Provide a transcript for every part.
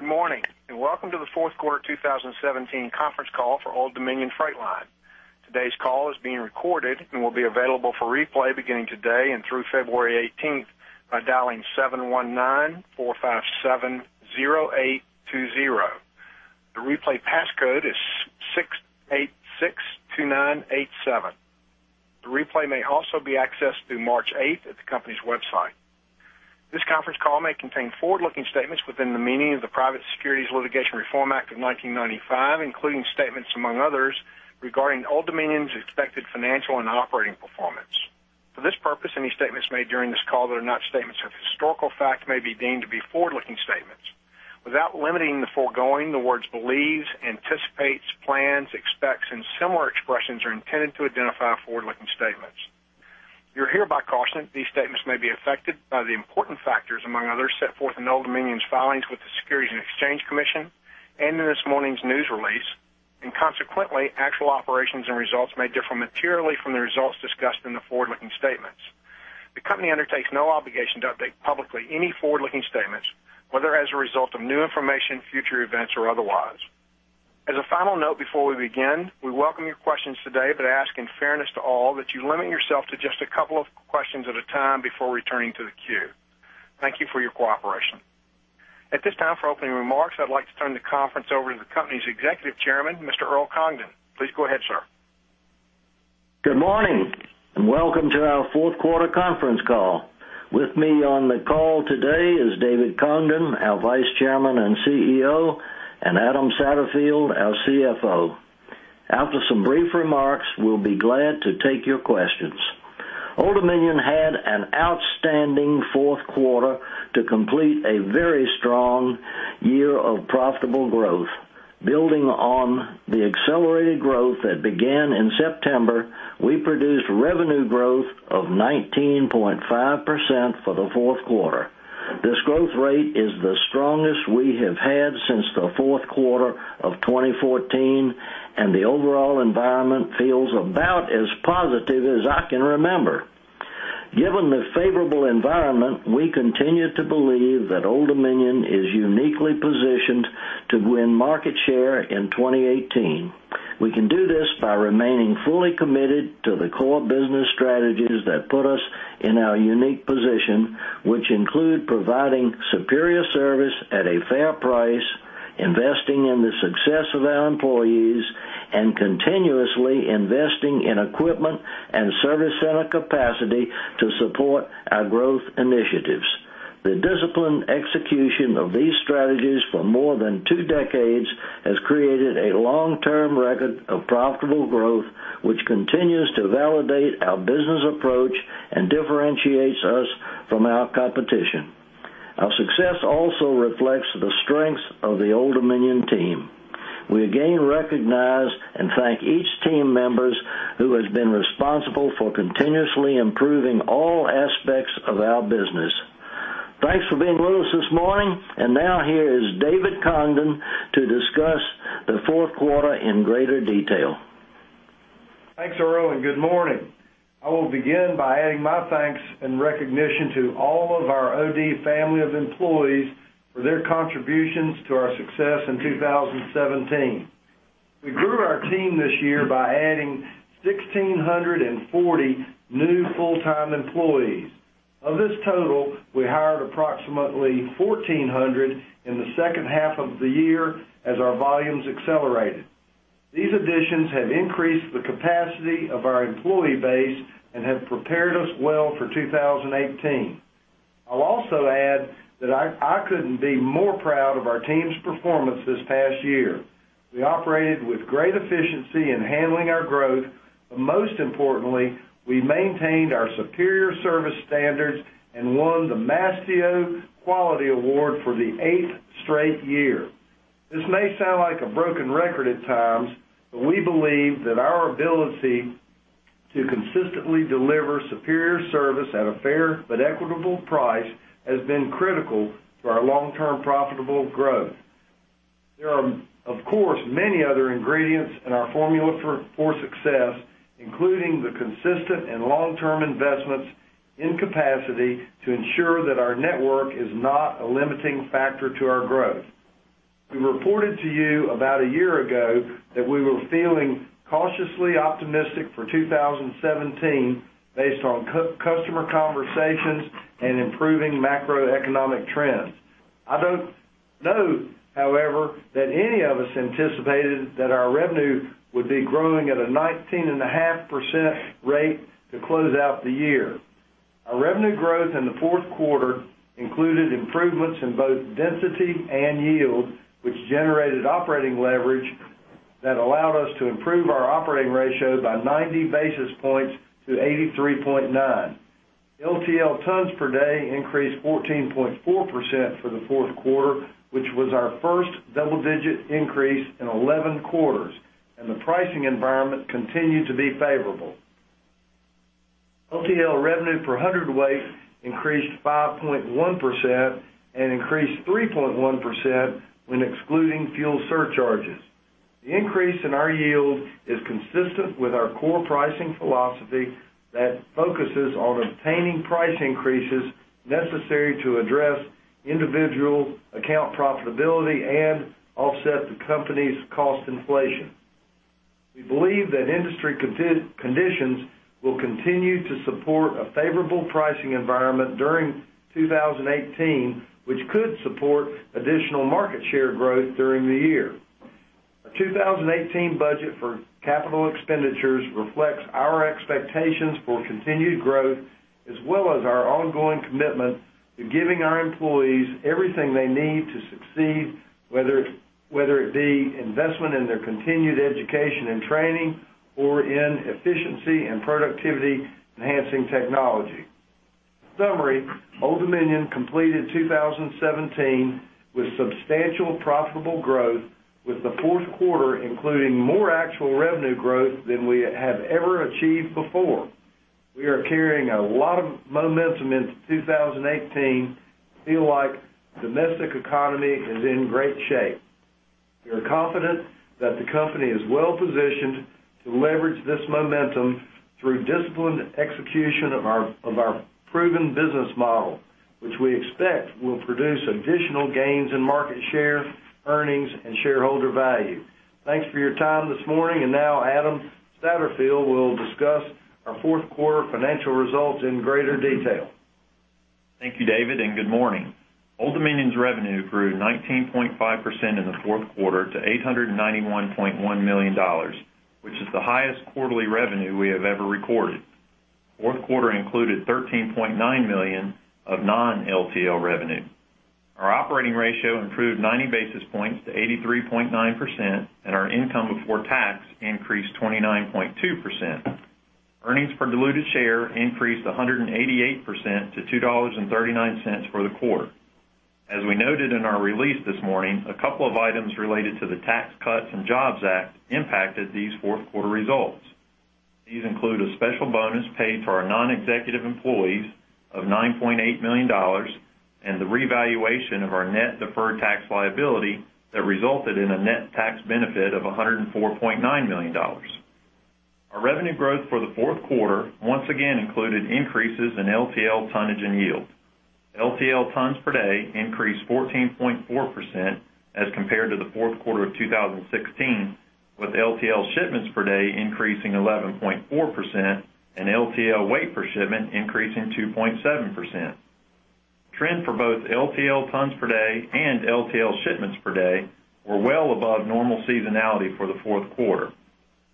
Good morning. Welcome to the fourth quarter of 2017 conference call for Old Dominion Freight Line. Today's call is being recorded and will be available for replay beginning today and through February 18th by dialing 719-457-0820. The replay passcode is 6862987. The replay may also be accessed through March 8th at the company's website. This conference call may contain forward-looking statements within the meaning of the Private Securities Litigation Reform Act of 1995, including statements among others regarding Old Dominion's expected financial and operating performance. For this purpose, any statements made during this call that are not statements of historical fact may be deemed to be forward-looking statements. Without limiting the foregoing, the words believes, anticipates, plans, expects, and similar expressions are intended to identify forward-looking statements. You're hereby cautioned these statements may be affected by the important factors among others set forth in Old Dominion's filings with the Securities and Exchange Commission and in this morning's news release. Consequently, actual operations and results may differ materially from the results discussed in the forward-looking statements. The company undertakes no obligation to update publicly any forward-looking statements, whether as a result of new information, future events, or otherwise. As a final note, before we begin, we welcome your questions today, but ask in fairness to all that you limit yourself to just a couple of questions at a time before returning to the queue. Thank you for your cooperation. At this time, for opening remarks, I'd like to turn the conference over to the company's Executive Chairman, Mr. Earl Congdon. Please go ahead, sir. Good morning, and welcome to our fourth quarter conference call. With me on the call today is David Congdon, our Vice Chairman and CEO, and Adam Satterfield, our CFO. After some brief remarks, we'll be glad to take your questions. Old Dominion had an outstanding fourth quarter to complete a very strong year of profitable growth. Building on the accelerated growth that began in September, we produced revenue growth of 19.5% for the fourth quarter. This growth rate is the strongest we have had since the fourth quarter of 2014, and the overall environment feels about as positive as I can remember. Given the favorable environment, we continue to believe that Old Dominion is uniquely positioned to win market share in 2018. We can do this by remaining fully committed to the core business strategies that put us in our unique position, which include providing superior service at a fair price, investing in the success of our employees, and continuously investing in equipment and service center capacity to support our growth initiatives. The disciplined execution of these strategies for more than two decades has created a long-term record of profitable growth, which continues to validate our business approach and differentiates us from our competition. Our success also reflects the strength of the Old Dominion team. We again recognize and thank each team members who has been responsible for continuously improving all aspects of our business. Thanks for being with us this morning. Now here is David Congdon to discuss the fourth quarter in greater detail. Thanks, Earl. Good morning. I will begin by adding my thanks and recognition to all of our OD family of employees for their contributions to our success in 2017. We grew our team this year by adding 1,640 new full-time employees. Of this total, we hired approximately 1,400 in the second half of the year as our volumes accelerated. These additions have increased the capacity of our employee base and have prepared us well for 2018. I'll also add that I couldn't be more proud of our team's performance this past year. We operated with great efficiency in handling our growth, but most importantly, we maintained our superior service standards and won the Mastio Quality Award for the eighth straight year. This may sound like a broken record at times, but we believe that our ability to consistently deliver superior service at a fair but equitable price has been critical to our long-term profitable growth. There are, of course, many other ingredients in our formula for success, including the consistent and long-term investments in capacity to ensure that our network is not a limiting factor to our growth. We reported to you about a year ago that we were feeling cautiously optimistic for 2017 based on customer conversations and improving macroeconomic trends. I don't know, however, that any of us anticipated that our revenue would be growing at a 19.5% rate to close out the year. Our revenue growth in the fourth quarter included improvements in both density and yield, which generated operating leverage that allowed us to improve our operating ratio by 90 basis points to 83.9. LTL tons per day increased 14.4 for the fourth quarter, which was our first double-digit increase in 11 quarters. The pricing environment continued to be favorable. LTL revenue per hundredweight increased 5.1 and increased 3.1 when excluding fuel surcharges. The increase in our yield is consistent with our core pricing philosophy that focuses on obtaining price increases necessary to address individual account profitability and offset the company's cost inflation. We believe that industry conditions will continue to support a favorable pricing environment during 2018, which could support additional market share growth during the year. Our 2018 budget for capital expenditures reflects our expectations for continued growth as well as our ongoing commitment to giving our employees everything they need to succeed, whether it be investment in their continued education and training or in efficiency and productivity-enhancing technology. In summary, Old Dominion completed 2017 with substantial profitable growth with the fourth quarter, including more actual revenue growth than we have ever achieved before. We are carrying a lot of momentum into 2018. We feel like domestic economy is in great shape. We are confident that the company is well-positioned to leverage this momentum through disciplined execution of our proven business model, which we expect will produce additional gains in market share, earnings, and shareholder value. Thanks for your time this morning. Now Adam Satterfield will discuss our fourth quarter financial results in greater detail. Thank you, David, and good morning. Old Dominion's revenue grew 19.5% in the fourth quarter to $891.1 million, which is the highest quarterly revenue we have ever recorded. Fourth quarter included $13.9 million of non-LTL revenue. Our operating ratio improved 90 basis points to 83.9%, and our income before tax increased 29.2%. Earnings per diluted share increased 188% to $2.39 for the quarter. As we noted in our release this morning, a couple of items related to the Tax Cuts and Jobs Act impacted these fourth quarter results. These include a special bonus paid to our non-executive employees of $9.8 million and the revaluation of our net deferred tax liability that resulted in a net tax benefit of $104.9 million. Our revenue growth for the fourth quarter once again included increases in LTL tonnage and yield. LTL tons per day increased 14.4% as compared to the fourth quarter of 2016, with LTL shipments per day increasing 11.4% and LTL weight per shipment increasing 2.7%. Trend for both LTL tons per day and LTL shipments per day were well above normal seasonality for the fourth quarter.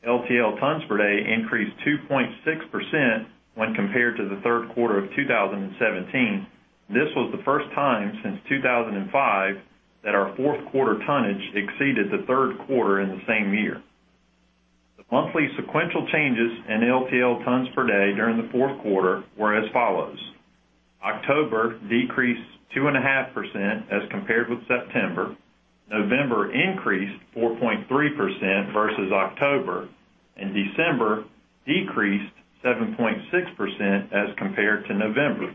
LTL tons per day increased 2.6% when compared to the third quarter of 2017. This was the first time since 2005 that our fourth quarter tonnage exceeded the third quarter in the same year. The monthly sequential changes in LTL tons per day during the fourth quarter were as follows: October decreased 2.5% as compared with September. November increased 4.3% versus October. December decreased 7.6% as compared to November.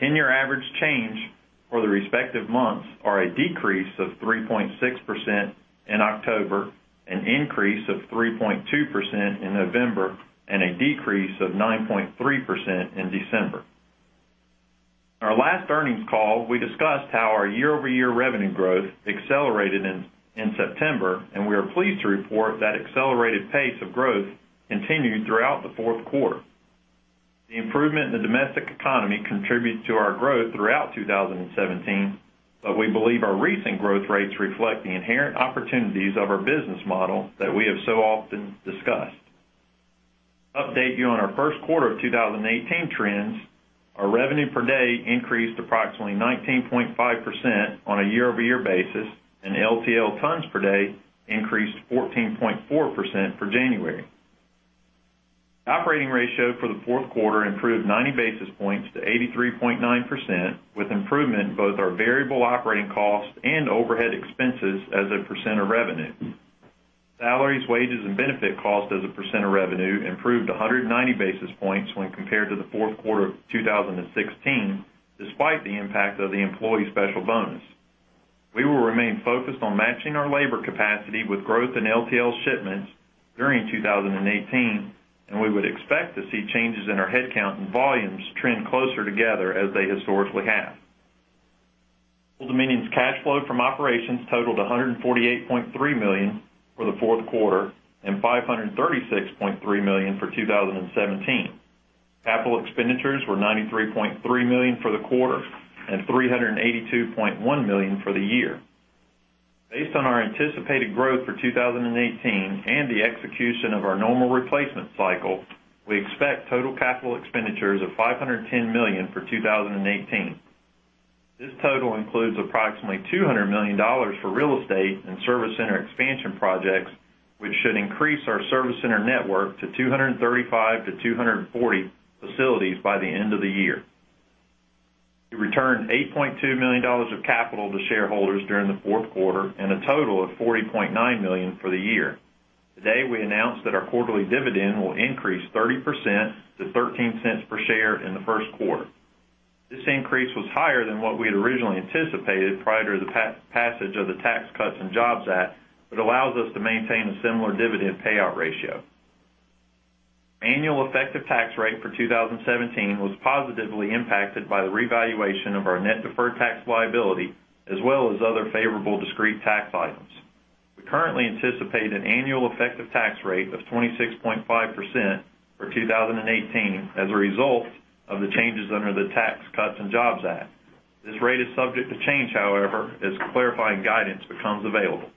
The 10-year average change for the respective months are a decrease of 3.6% in October, an increase of 3.2% in November, and a decrease of 9.3% in December. In our last earnings call, we discussed how our year-over-year revenue growth accelerated in September, and we are pleased to report that accelerated pace of growth continued throughout the fourth quarter. The improvement in the domestic economy contributed to our growth throughout 2017, but we believe our recent growth rates reflect the inherent opportunities of our business model that we have so often discussed. To update you on our first quarter of 2018 trends, our revenue per day increased approximately 19.5% on a year-over-year basis, and LTL tons per day increased 14.4% for January. operating ratio for the fourth quarter improved 90 basis points to 83.9%, with improvement in both our variable operating costs and overhead expenses as a percent of revenue. Salaries, wages, and benefit cost as a percent of revenue improved 190 basis points when compared to the fourth quarter of 2016, despite the impact of the employee special bonus. We will remain focused on matching our labor capacity with growth in LTL shipments during 2018, and we would expect to see changes in our headcount and volumes trend closer together as they historically have. Old Dominion's cash flow from operations totaled $148.3 million for the fourth quarter and $536.3 million for 2017. Capital expenditures were $93.3 million for the quarter and $382.1 million for the year. Based on our anticipated growth for 2018 and the execution of our normal replacement cycle, we expect total capital expenditures of $510 million for 2018. This total includes approximately $200 million for real estate and service center expansion projects, which should increase our service center network to 235-240 facilities by the end of the year. We returned $8.2 million of capital to shareholders during the fourth quarter and a total of $40.9 million for the year. Today, we announced that our quarterly dividend will increase 30% to $0.13 per share in the first quarter. This increase was higher than what we had originally anticipated prior to the passage of the Tax Cuts and Jobs Act, allows us to maintain a similar dividend payout ratio. Annual effective tax rate for 2017 was positively impacted by the revaluation of our net deferred tax liability, as well as other favorable discrete tax items. We currently anticipate an annual effective tax rate of 26.5% for 2018 as a result of the changes under the Tax Cuts and Jobs Act. This rate is subject to change, however, as clarifying guidance becomes available.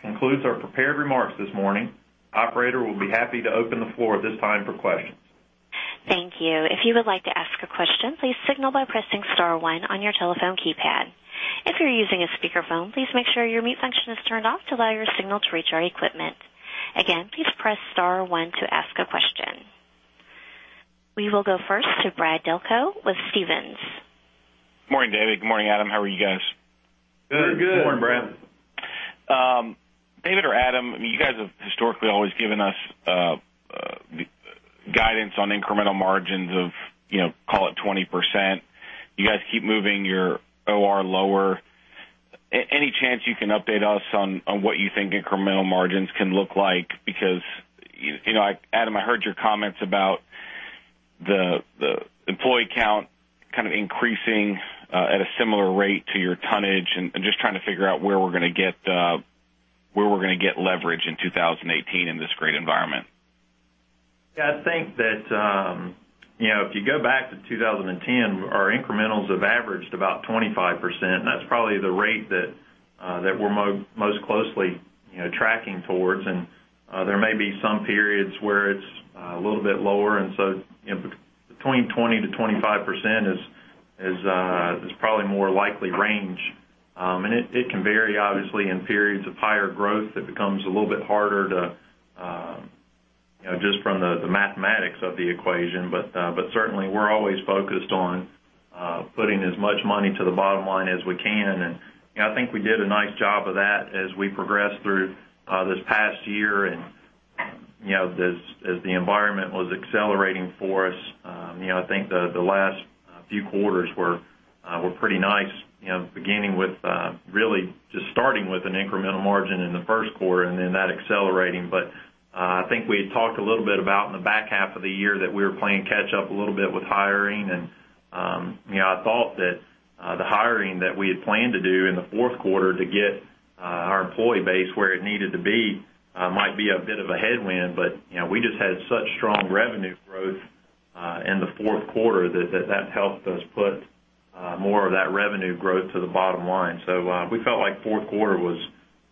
Concludes our prepared remarks this morning. Operator, we'll be happy to open the floor at this time for questions. Thank you. If you would like to ask a question, please signal by pressing star one on your telephone keypad. If you are using a speakerphone, please make sure your mute function is turned off to allow your signal to reach our equipment. Again, please press star one to ask a question. We will go first to Brad Delco with Stephens. Morning, David. Morning, Adam. How are you guys? Good. We're good. Morning, Brad. David or Adam, I mean, you guys have historically always given us guidance on incremental margins of, you know, call it 20%. You guys keep moving your OR lower. Any chance you can update us on what you think incremental margins can look like? Because, you know, Adam, I heard your comments about the employee count kind of increasing at a similar rate to your tonnage. Just trying to figure out where we're gonna get leverage in 2018 in this great environment. Yeah, I think that, you know, if you go back to 2010, our incrementals have averaged about 25%, and that's probably the rate that we're most closely, you know, tracking towards. There may be some periods where it's a little bit lower. You know, between 20%-25% is probably more likely range. It, it can vary obviously in periods of higher growth. It becomes a little bit harder to, you know, just from the mathematics of the equation. Certainly we're always focused on putting as much money to the bottom line as we can. You know, I think we did a nice job of that as we progressed through this past year and, you know, as the environment was accelerating for us. You know, I think the last few quarters were pretty nice, you know, beginning with really just starting with an incremental margin in the first quarter and then that accelerating. I think we had talked a little bit about in the back half of the year that we were playing catch up a little bit with hiring. You know, I thought that the hiring that we had planned to do in the fourth quarter to get our employee base where it needed to be might be a bit of a headwind. You know, we just had such strong revenue growth in the fourth quarter that helped us put more of that revenue growth to the bottom line. We felt like fourth quarter was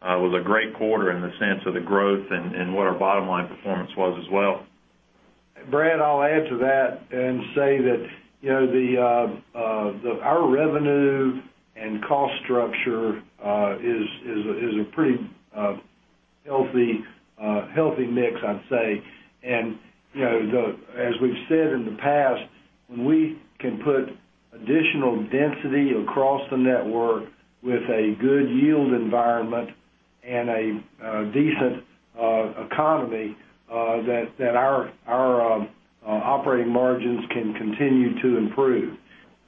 a great quarter in the sense of the growth and what our bottom line performance was as well. Brad, I'll add to that and say that, you know, our revenue and cost structure is a pretty healthy mix, I'd say. You know, as we've said in the past, when we can put additional density across the network with a good yield environment and a decent economy, that our operating margins can continue to improve.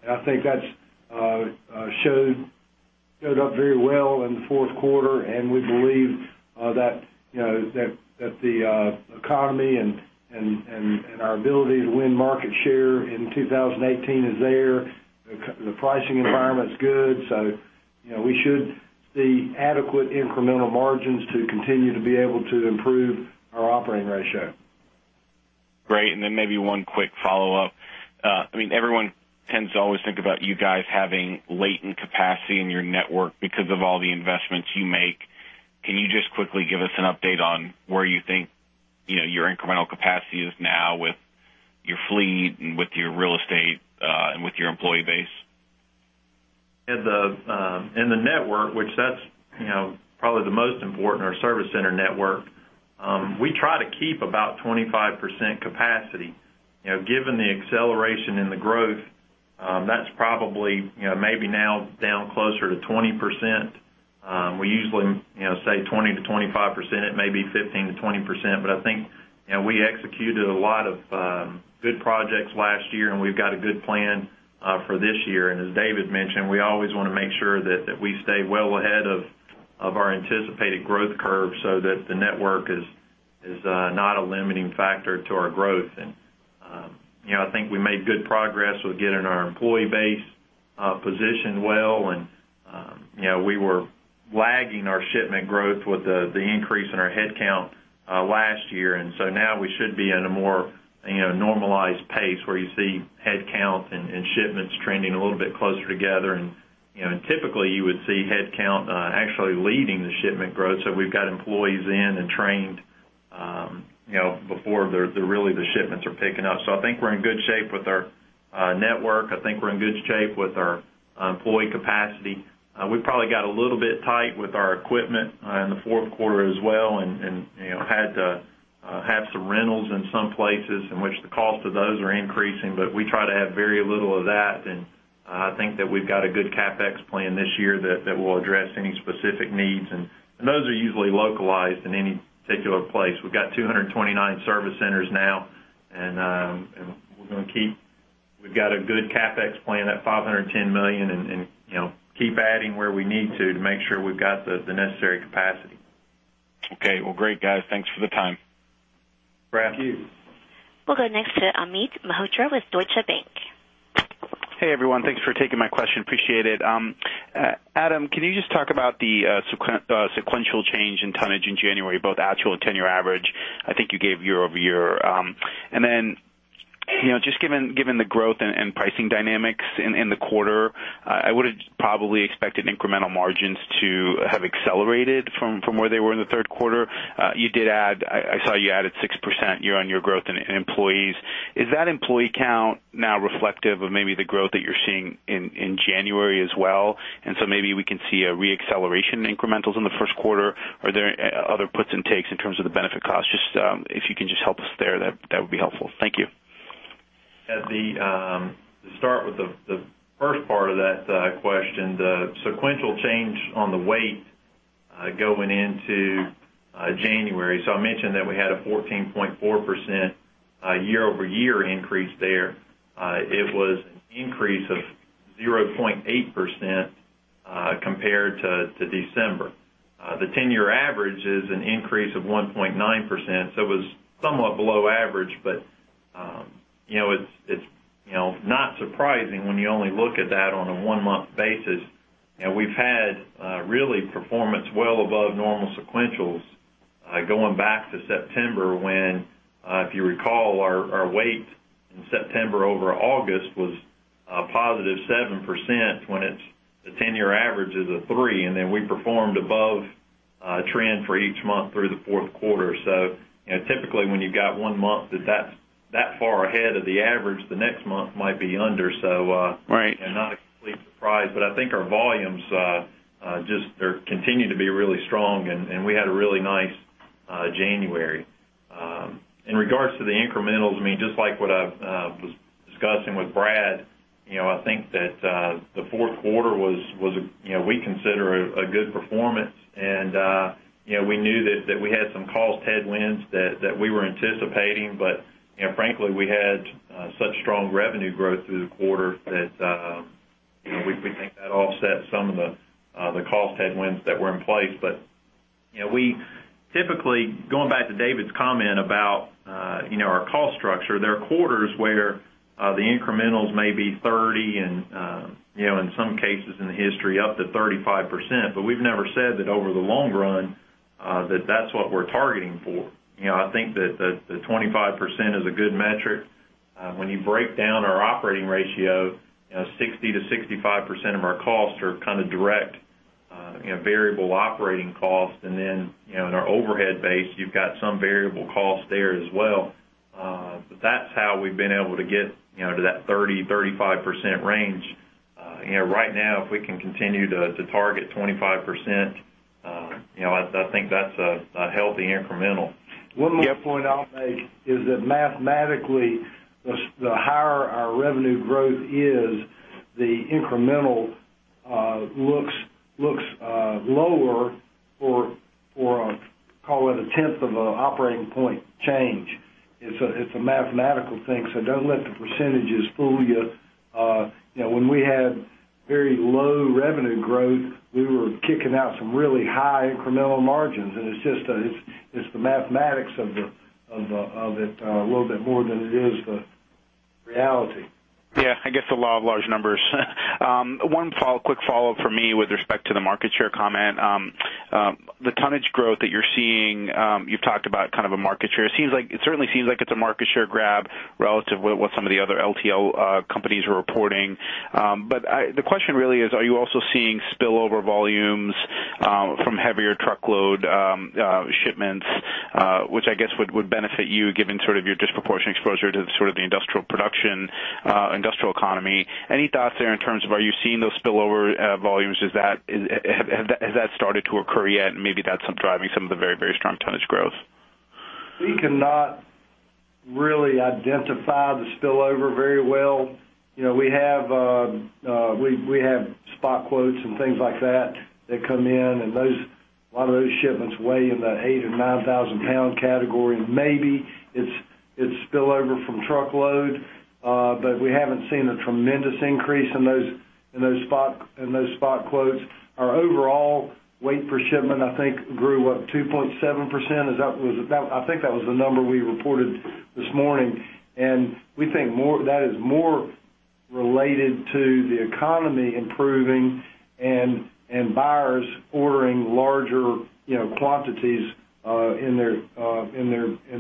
I think that's showed up very well in the fourth quarter, we believe that, you know, that the economy and our ability to win market share in 2018 is there. The pricing environment's good, you know, we should see adequate incremental margins to continue to be able to improve our operating ratio. Great. Then maybe one quick follow-up. I mean, everyone tends to always think about you guys having latent capacity in your network because of all the investments you make. Can you just quickly give us an update on where you think, you know, your incremental capacity is now with your fleet and with your real estate and with your employee base? In the, in the network, which that's, you know, probably the most important, our service center network, we try to keep about 25% capacity. You know, given the acceleration in the growth, that's probably, you know, maybe now down closer to 20%. We usually, you know, say 20%-25%. It may be 15%-20%. I think, you know, we executed a lot of good projects last year, and we've got a good plan for this year. As David mentioned, we always wanna make sure that we stay well ahead of our anticipated growth curve so that the network is not a limiting factor to our growth. You know, I think we made good progress with getting our employee base positioned well. You know, we were lagging our shipment growth with the increase in our headcount last year. Now we should be in a more, you know, normalized pace where you see headcount and shipments trending a little bit closer together. Typically you would see headcount actually leading the shipment growth. We've got employees in and trained, you know, before the really the shipments are picking up. I think we're in good shape with our network. I think we're in good shape with our employee capacity. We probably got a little bit tight with our equipment in the fourth quarter as well, and, you know, had to have some rentals in some places in which the cost of those are increasing. We try to have very little of that, and I think that we've got a good CapEx plan this year that will address any specific needs, and those are usually localized in any particular place. We've got 229 service centers now, and we've got a good CapEx plan at $510 million and, you know, keep adding where we need to to make sure we've got the necessary capacity. Okay. Well, great, guys. Thanks for the time. Brad. Thank you. We'll go next to Amit Mehrotra with Deutsche Bank. Hey, everyone. Thanks for taking my question. Appreciate it. Adam, can you just talk about the sequential change in tonnage in January, both actual and 10-year average? I think you gave year-over-year. You know, just given the growth and pricing dynamics in the quarter, I would've probably expected incremental margins to have accelerated from where they were in the third quarter. I saw you added 6% year-on-year growth in employees. Is that employee count now reflective of maybe the growth that you're seeing in January as well, and so maybe we can see a re-acceleration in incrementals in the first quarter? Are there other puts and takes in terms of the benefit cost? Just if you can just help us there, that would be helpful. Thank you. At the, to start with the first part of that question, the sequential change on the weight going into January. I mentioned that we had a 14.4% year-over-year increase there. It was an increase of 0.8% compared to December. The 10-year average is an increase of 1.9%, so it was somewhat below average, but, you know, it's, you know, not surprising when you only look at that on a one month basis. We've had really performance well above normal sequentials going back to September when, if you recall, our weight in September over August was positive 7% when the 10-year average is a 3%. Then we performed above trend for each month through the fourth quarter. You know, typically, when you've got one month that's that far ahead of the average, the next month might be under. Right. Not a complete surprise. I think our volumes, just they're continuing to be really strong and we had a really nice January. In regards to the incrementals, I mean, just like what I've was discussing with Brad, you know, I think that the fourth quarter was a, you know, we consider a good performance and, you know, we knew that we had some cost headwinds that we were anticipating. You know, frankly, we had such strong revenue growth through the quarter that, you know, we think that offset some of the cost headwinds that were in place. You know, we typically, going back to David's comment about, you know, our cost structure, there are quarters where the incrementals may be 30 and, you know, in some cases in the history, up to 35%, but we've never said that over the long run, that that's what we're targeting for. You know, I think that the 25% is a good metric. When you break down our operating ratio, you know, 60%-65% of our costs are kinda direct, you know, variable operating costs. You know, in our overhead base, you've got some variable costs there as well. That's how we've been able to get, you know, to that 30%-35% range. You know, right now, if we can continue to target 25%, you know, I think that's a healthy incremental. Yeah. One more point I'll make is that mathematically, the higher our revenue growth is, the incremental looks lower or call it a 10th of a operating point change. It's a mathematical thing, so don't let the percentages fool you. You know, when we had very low revenue growth, we were kicking out some really high incremental margins, and it's just, it's the mathematics of it a little bit more than it is the reality. Yeah. I guess the law of large numbers. One quick follow-up from me with respect to the market share comment. The tonnage growth that you're seeing, you've talked about kind of a market share. It certainly seems like it's a market share grab relative with what some of the other LTL companies are reporting. The question really is, are you also seeing spillover volumes from heavier truckload shipments, which I guess would benefit you given sort of your disproportionate exposure to sort of the industrial production, industrial economy? Any thoughts there in terms of are you seeing those spillover volumes? Has that started to occur yet and maybe that's driving some of the very, very strong tonnage growth? We cannot really identify the spillover very well. You know, we have spot quotes and things like that that come in, and a lot of those shipments weigh in the 8,000 and 9,000 pound category. Maybe it's spillover from truckload, but we haven't seen a tremendous increase in those spot quotes. Our overall weight per shipment I think grew up 2.7%. I think that was the number we reported this morning. We think that is more related to the economy improving and buyers ordering larger, you know, quantities in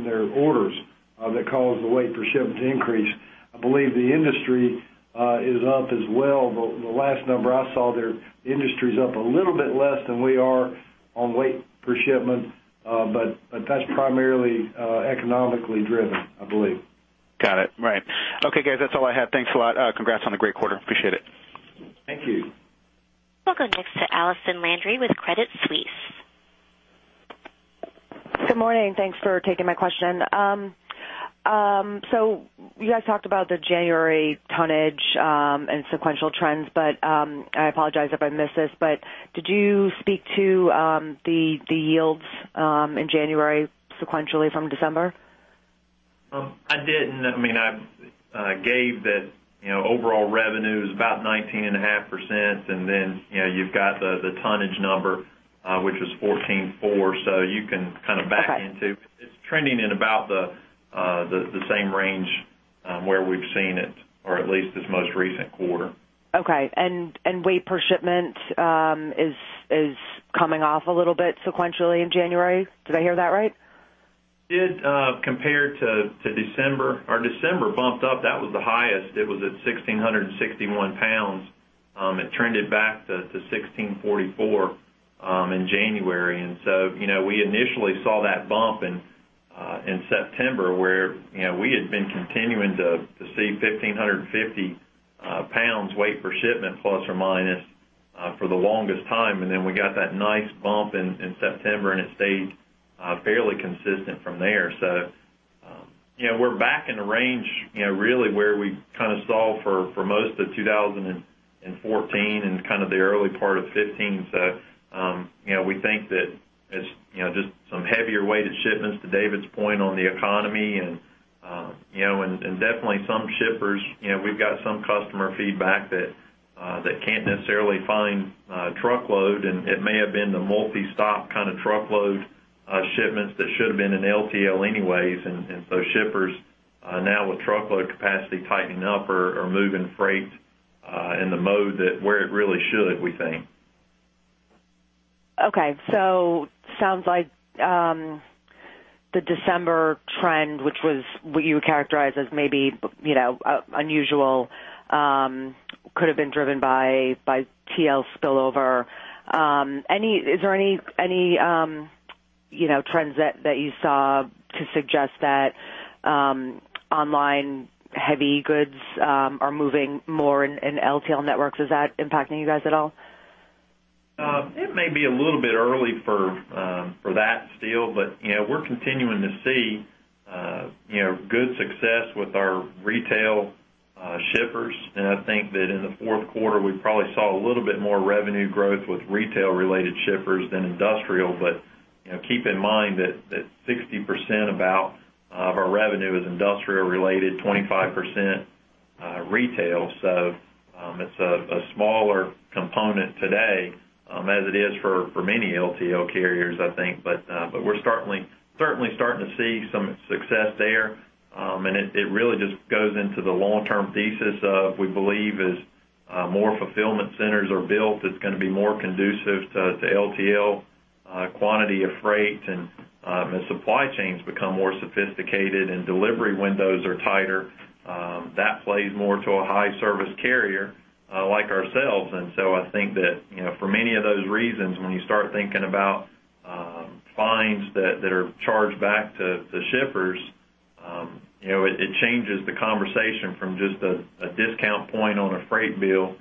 their orders that caused the weight per shipment to increase. I believe the industry is up as well. The last number I saw there, the industry's up a little bit less than we are on weight per shipment. That's primarily, economically driven, I believe. Got it. Right. Okay, guys, that's all I have. Thanks a lot. Congrats on the great quarter. Appreciate it. Thank you. We'll go next to Allison Landry with Credit Suisse. Good morning. Thanks for taking my question. You guys talked about the January tonnage, and sequential trends. I apologize if I missed this, but did you speak to the yields in January sequentially from December? I didn't. I mean, I gave that, you know, overall revenue is about 19.5%, and then, you know, you've got the tonnage number, which is 14.4%. You can kind of back into. Okay. It's trending in about the same range, where we've seen it, or at least this most recent quarter. Okay. Weight per shipment is coming off a little bit sequentially in January. Did I hear that right? It did, compared to December. Our December bumped up. That was the highest. It was at 1,661 lbs. It trended back to 1,644 lbs in January. You know, we initially saw that bump in September where, you know, we had been continuing to see 1,550 lbs weight per shipment, plus or minus for the longest time. Then we got that nice bump in September, and it stayed fairly consistent from there. You know, we're back in the range, you know, really where we kind of saw for most of 2014 and kind of the early part of 2015. you know, we think that as, you know, just some heavier weighted shipments to David's point on the economy and, you know, and definitely some shippers, you know, we've got some customer feedback that can't necessarily find truckload, and it may have been the multi-stop kind of truckload shipments that should have been in LTL anyways. shippers now with truckload capacity tightening up are moving freight in the mode that where it really should, we think. Okay. Sounds like, the December trend, which was what you would characterize as maybe, you know, unusual, could have been driven by TL spillover. Is there any, you know, trends that you saw to suggest that, online heavy goods, are moving more in LTL networks? Is that impacting you guys at all? It may be a little bit early for that still. You know, we're continuing to see, you know, good success with our retail shippers. I think that in the fourth quarter, we probably saw a little bit more revenue growth with retail-related shippers than industrial. You know, keep in mind that 60% about, of our revenue is industrial related, 25%, retail. It's a smaller component today, as it is for many LTL carriers, I think. We're certainly starting to see some success there. It, it really just goes into the long-term thesis of, we believe as more fulfillment centers are built, it's gonna be more conducive to LTL quantity of freight and as supply chains become more sophisticated and delivery windows are tighter, that plays more to a high service carrier like ourselves. I think that, you know, for many of those reasons, when you start thinking about fines that are charged back to shippers, you know, it changes the conversation from just a discount point on a freight bill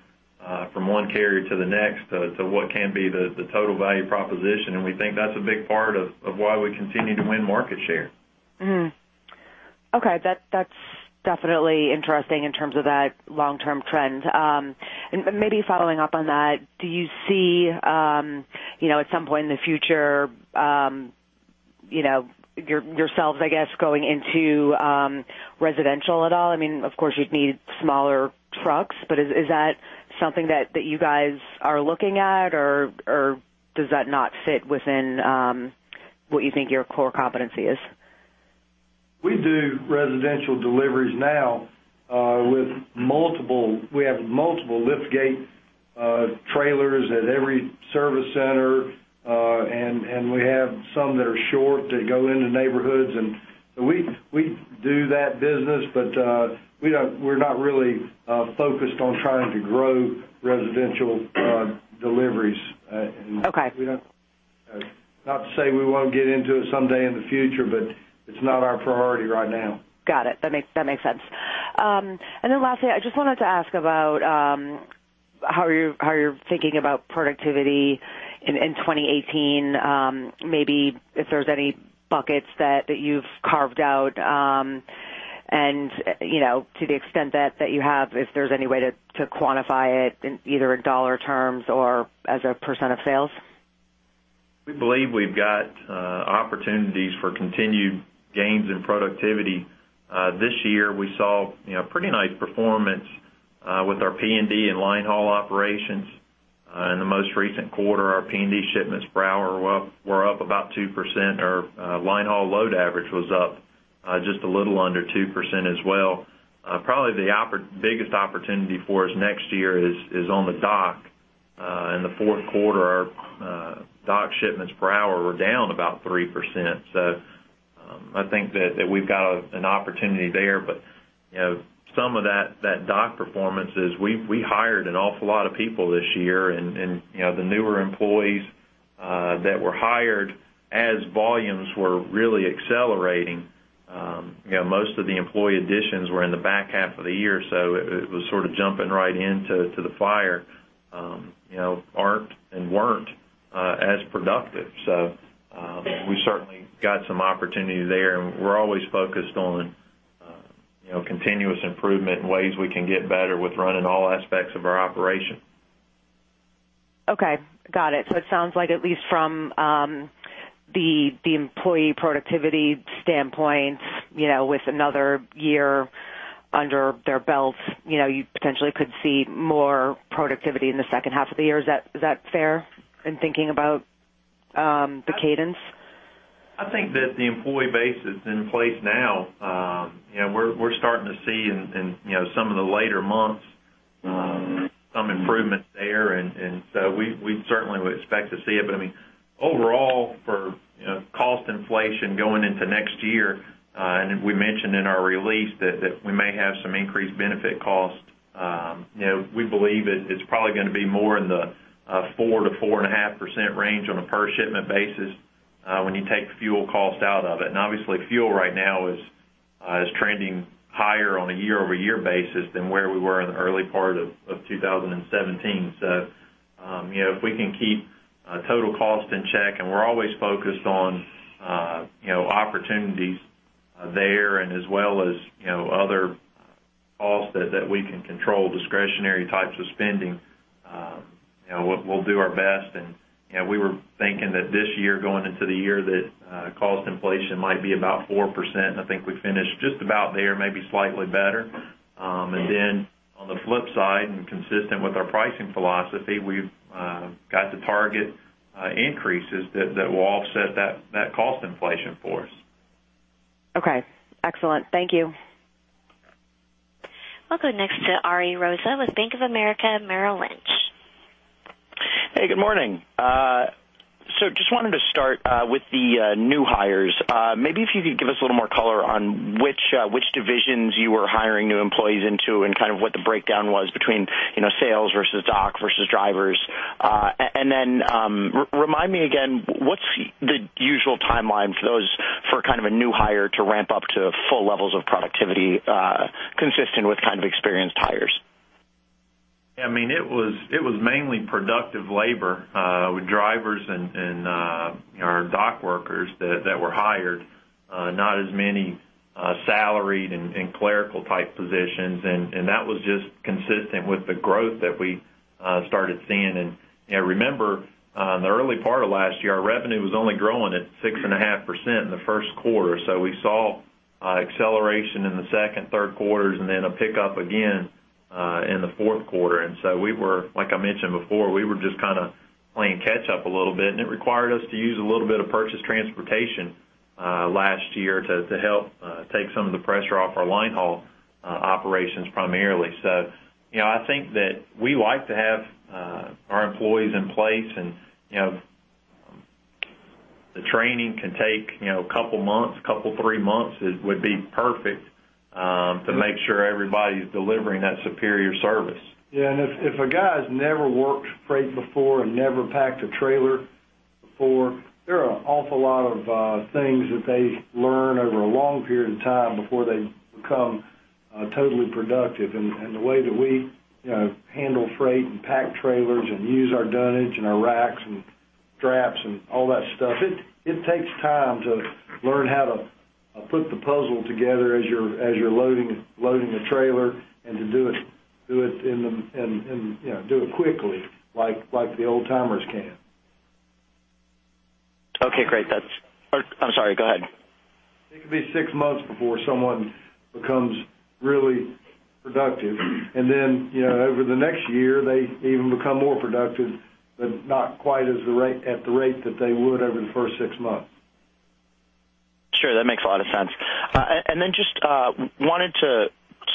from one carrier to the next to what can be the total value proposition. We think that's a big part of why we continue to win market share. Okay. That's definitely interesting in terms of that long-term trend. Maybe following up on that, do you see, you know, at some point in the future, you know, yourselves, I guess, going into residential at all? I mean, of course, you'd need smaller trucks, but is that something that you guys are looking at, or does that not fit within what you think your core competency is? We do residential deliveries now. We have multiple lift gate trailers at every service center, and we have some that are short that go into neighborhoods. We do that business, but we are not really focused on trying to grow residential deliveries. Okay. We don't, not to say we won't get into it someday in the future, but it's not our priority right now. Got it. That makes sense. Lastly, I just wanted to ask about how you're thinking about productivity in 2018. Maybe if there's any buckets that you've carved out, and, you know, to the extent that you have, if there's any way to quantify it in either in dollar terms or as a percent of sales. We believe we've got opportunities for continued gains in productivity. This year, we saw, you know, pretty nice performance with our P&D and line haul operations. In the most recent quarter, our P&D shipments per hour were up about 2%. Our line haul load average was up just a little under 2% as well. Probably the biggest opportunity for us next year is on the dock. In the fourth quarter, our dock shipments per hour were down about 3%. I think that we've got an opportunity there. You know, some of that dock performance is we hired an awful lot of people this year and, you know, the newer employees that were hired as volumes were really accelerating. You know, most of the employee additions were in the back half of the year, so it was sort of jumping right into the fire, you know, aren't and weren't as productive. We certainly got some opportunity there. We're always focused on, you know, continuous improvement and ways we can get better with running all aspects of our operation. Okay. Got it. It sounds like at least from the employee productivity standpoint, you know, with another year under their belt, you know, you potentially could see more productivity in the second half of the year. Is that, is that fair in thinking about the cadence? I think that the employee base that's in place now, you know, we're starting to see in, you know, some of the later months, some improvement there. We certainly would expect to see it. I mean, overall for, you know, cost inflation going into next year, and we mentioned in our release that we may have some increased benefit costs, you know, we believe it's probably gonna be more in the 4% to 4.5% range on a per shipment basis, when you take fuel cost out of it. Obviously fuel right now is trending higher on a year-over-year basis than where we were in the early part of 2017. If we can keep total cost in check, and we're always focused on, you know, opportunities there and as well as, you know, other costs that we can control, discretionary types of spending, you know, we'll do our best. You know, we were thinking that this year going into the year that cost inflation might be about 4%, and I think we finished just about there, maybe slightly better. On the flip side and consistent with our pricing philosophy, we've got to target increases that will offset that cost inflation for us. Okay. Excellent. Thank you. I'll go next to Ari Rosa with Bank of America Merrill Lynch. Hey, good morning. Just wanted to start with the new hires. Maybe if you could give us a little more color on which divisions you were hiring new employees into and kind of what the breakdown was between, you know, sales versus dock versus drivers. And then, remind me again, what's the usual timeline for those for a new hire to ramp up to full levels of productivity consistent with kind of experienced hires? I mean, it was mainly productive labor with drivers and, you know, our dock workers that were hired, not as many salaried and clerical type positions. That was just consistent with the growth that we started seeing. You know, remember, in the early part of last year, our revenue was only growing at 6.5% in the first quarter. We saw acceleration in the second, third quarters and then a pickup again in the fourth quarter. We were, like I mentioned before, we were just kinda playing catch up a little bit, and it required us to use a little bit of purchased transportation last year to help take some of the pressure off our line haul operations primarily. You know, I think that we like to have, our employees in place. You know, the training can take, you know, two months, two to three months it would be perfect, to make sure everybody's delivering that superior service. Yeah. If, if a guy's never worked freight before and never packed a trailer before, there are an awful lot of things that they learn over a long period of time before they become totally productive. The way that we, you know, handle freight and pack trailers and use our dunnage and our racks and straps and all that stuff, it takes time to learn how to put the puzzle together as you're, as you're loading a trailer and to do it in the, you know, do it quickly like the old-timers can. Okay, great. That's. I'm sorry. Go ahead. It could be six months before someone becomes really productive. You know, over the next year, they even become more productive, but not quite at the rate that they would over the first six months. Sure. That makes a lot of sense. Then just wanted to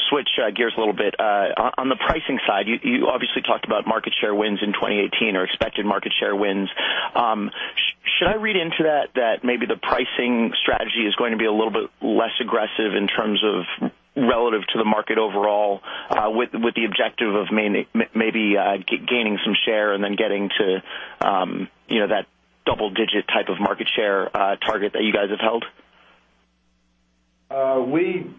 switch gears a little bit. On the pricing side, you obviously talked about market share wins in 2018 or expected market share wins. Should I read into that maybe the pricing strategy is going to be a little bit less aggressive in terms of relative to the market overall, with the objective of gaining some share and then getting to, you know, that double-digit type of market share target that you guys have held? We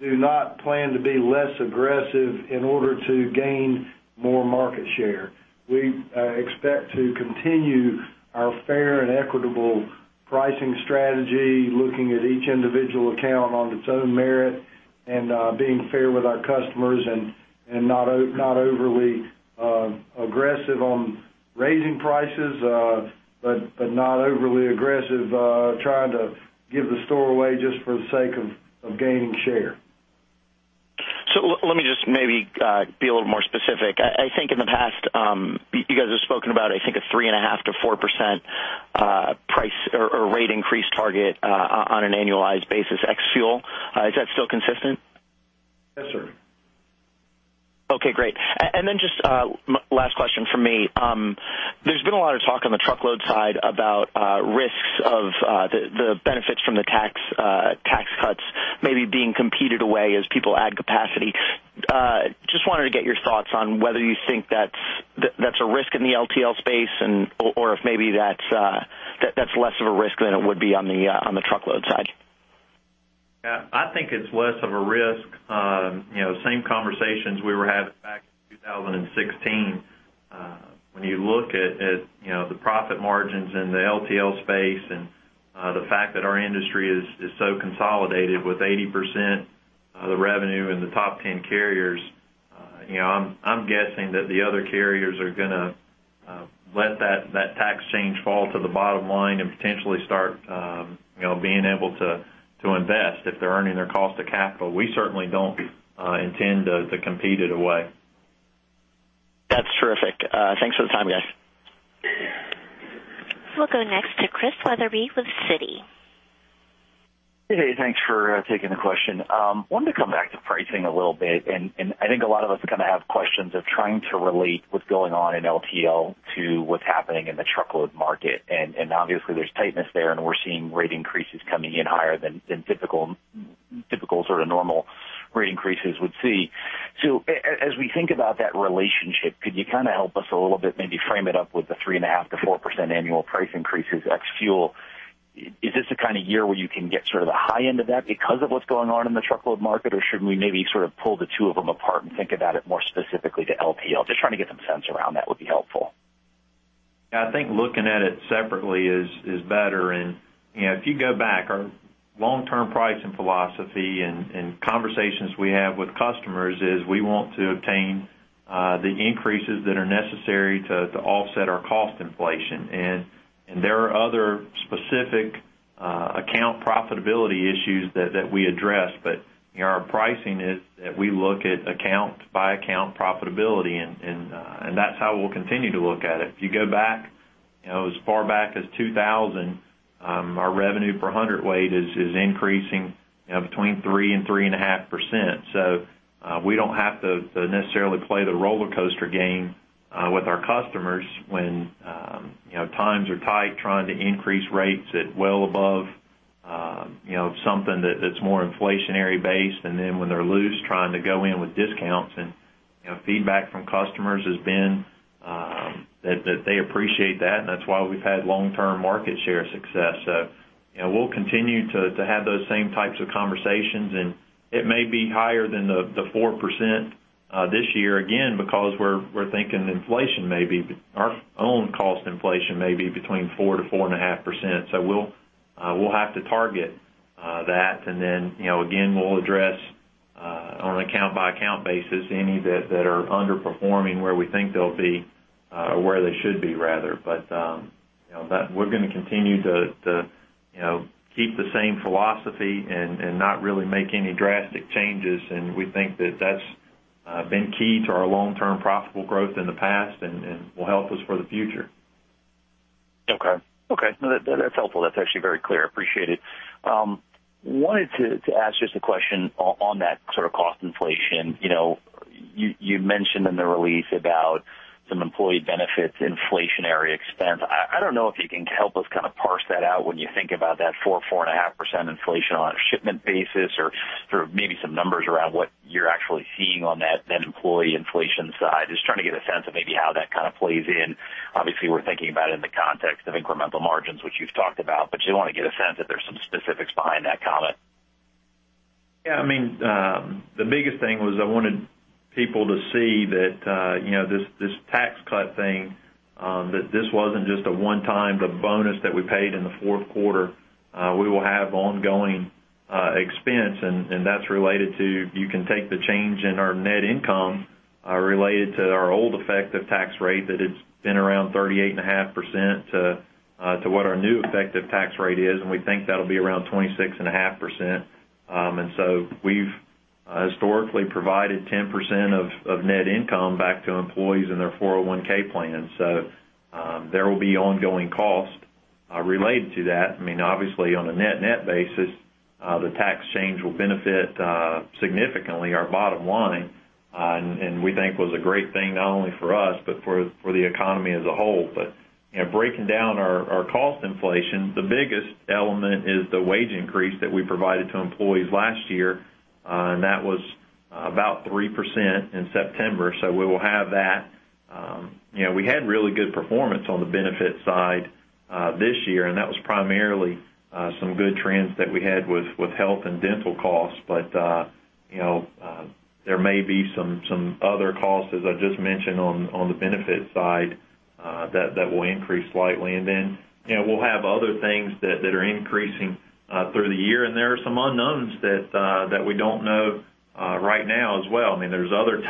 do not plan to be less aggressive in order to gain more market share. We expect to continue our fair and equitable pricing strategy, looking at each individual account on its own merit and being fair with our customers and not overly aggressive on raising prices, but not overly aggressive trying to give the store away just for the sake of gaining share. Let me just maybe be a little more specific. I think in the past, you guys have spoken about, I think, a 3.5%-4% price or rate increase target on an annualized basis ex fuel. Is that still consistent? Yes, sir. Okay, great. Then just last question from me. There's been a lot of talk on the truckload side about risks of the benefits from the Tax Cuts maybe being competed away as people add capacity. Just wanted to get your thoughts on whether you think that's a risk in the LTL space and Or if maybe that's less of a risk than it would be on the truckload side. Yeah. I think it's less of a risk. You know, same conversations we were having back in 2016. When you look at, you know, the profit margins in the LTL space and the fact that our industry is so consolidated with 80% of the revenue in the top 10 carriers, you know, I'm guessing that the other carriers are gonna let that tax change fall to the bottom line and potentially start, you know, being able to invest if they're earning their cost of capital. We certainly don't intend to compete it away. That's terrific. Thanks for the time, guys. We'll go next to Chris Wetherbee with Citi. Hey. Thanks for taking the question. Wanted to come back to pricing a little bit, I think a lot of us kinda have questions of trying to relate what's going on in LTL to what's happening in the truckload market. Obviously, there's tightness there, and we're seeing rate increases coming in higher than typical sort of normal rate increases would see. As we think about that relationship, could you kinda help us a little bit, maybe frame it up with the 3.5%-4% annual price increases ex fuel? Is this the kind of year where you can get sort of the high end of that because of what's going on in the truckload market, or should we maybe sort of pull the two of them apart and think about it more specifically to LTL? Just trying to get some sense around that would be helpful. Yeah. I think looking at it separately is better. You know, if you go back, our long-term pricing philosophy and conversations we have with customers is we want to obtain the increases that are necessary to offset our cost inflation. There are other specific account profitability issues that we address, but, you know, our pricing is that we look at account-by-account profitability and that's how we'll continue to look at it. If you go back, you know, as far back as 2,000, our revenue per hundredweight is increasing, you know, between 3% and 3.5%. We don't have to necessarily play the roller coaster game with our customers when times are tight, trying to increase rates at well above something that's more inflationary based, and then when they're loose, trying to go in with discounts. Feedback from customers has been that they appreciate that, and that's why we've had long-term market share success. We'll continue to have those same types of conversations, and it may be higher than the 4%, this year, again, because we're thinking inflation may be our own cost inflation may be between 4% to 4.5%. We'll have to target that. Then, you know, again, we'll address on account-by-account basis any that are underperforming where we think they'll be or where they should be rather. You know, that We're gonna continue to, you know, keep the same philosophy and not really make any drastic changes. We think that that's been key to our long-term profitable growth in the past and will help us for the future. Okay. No, that's helpful. That's actually very clear. Appreciate it. wanted to ask just a question on that sort of cost inflation. You know, you mentioned in the release about some employee benefits inflationary expense. I don't know if you can help us kinda parse that out when you think about that 4.5% inflation on a shipment basis or sort of maybe some numbers around what you're actually seeing on that employee inflation side. Just trying to get a sense of maybe how that kind of plays in. Obviously, we're thinking about it in the context of incremental margins, which you've talked about. Just wanna get a sense if there's some specifics behind that comment. Yeah. I mean, the biggest thing was I wanted people to see that, you know, this tax cut thing, that this wasn't just a one-time, the bonus that we paid in the fourth quarter. We will have ongoing expense, and that's related to You can take the change in our net income, related to our old effective tax rate, that it's been around 38.5%, to what our new effective tax rate is, and we think that'll be around 26.5%. We've historically provided 10% of net income back to employees in their 401 plan. There will be ongoing cost related to that. I mean, obviously, on a net-net basis, the tax change will benefit significantly our bottom line, and we think was a great thing not only for us, but for the economy as a whole. You know, breaking down our cost inflation, the biggest element is the wage increase that we provided to employees last year, and that was about 3% in September. We will have that. You know, we had really good performance on the benefit side this year, and that was primarily some good trends that we had with health and dental costs. You know, there may be some other costs, as I just mentioned on the benefit side, that will increase slightly. You know, we'll have other things that are increasing through the year, and there are some unknowns that we don't know right now as well. I mean, there's other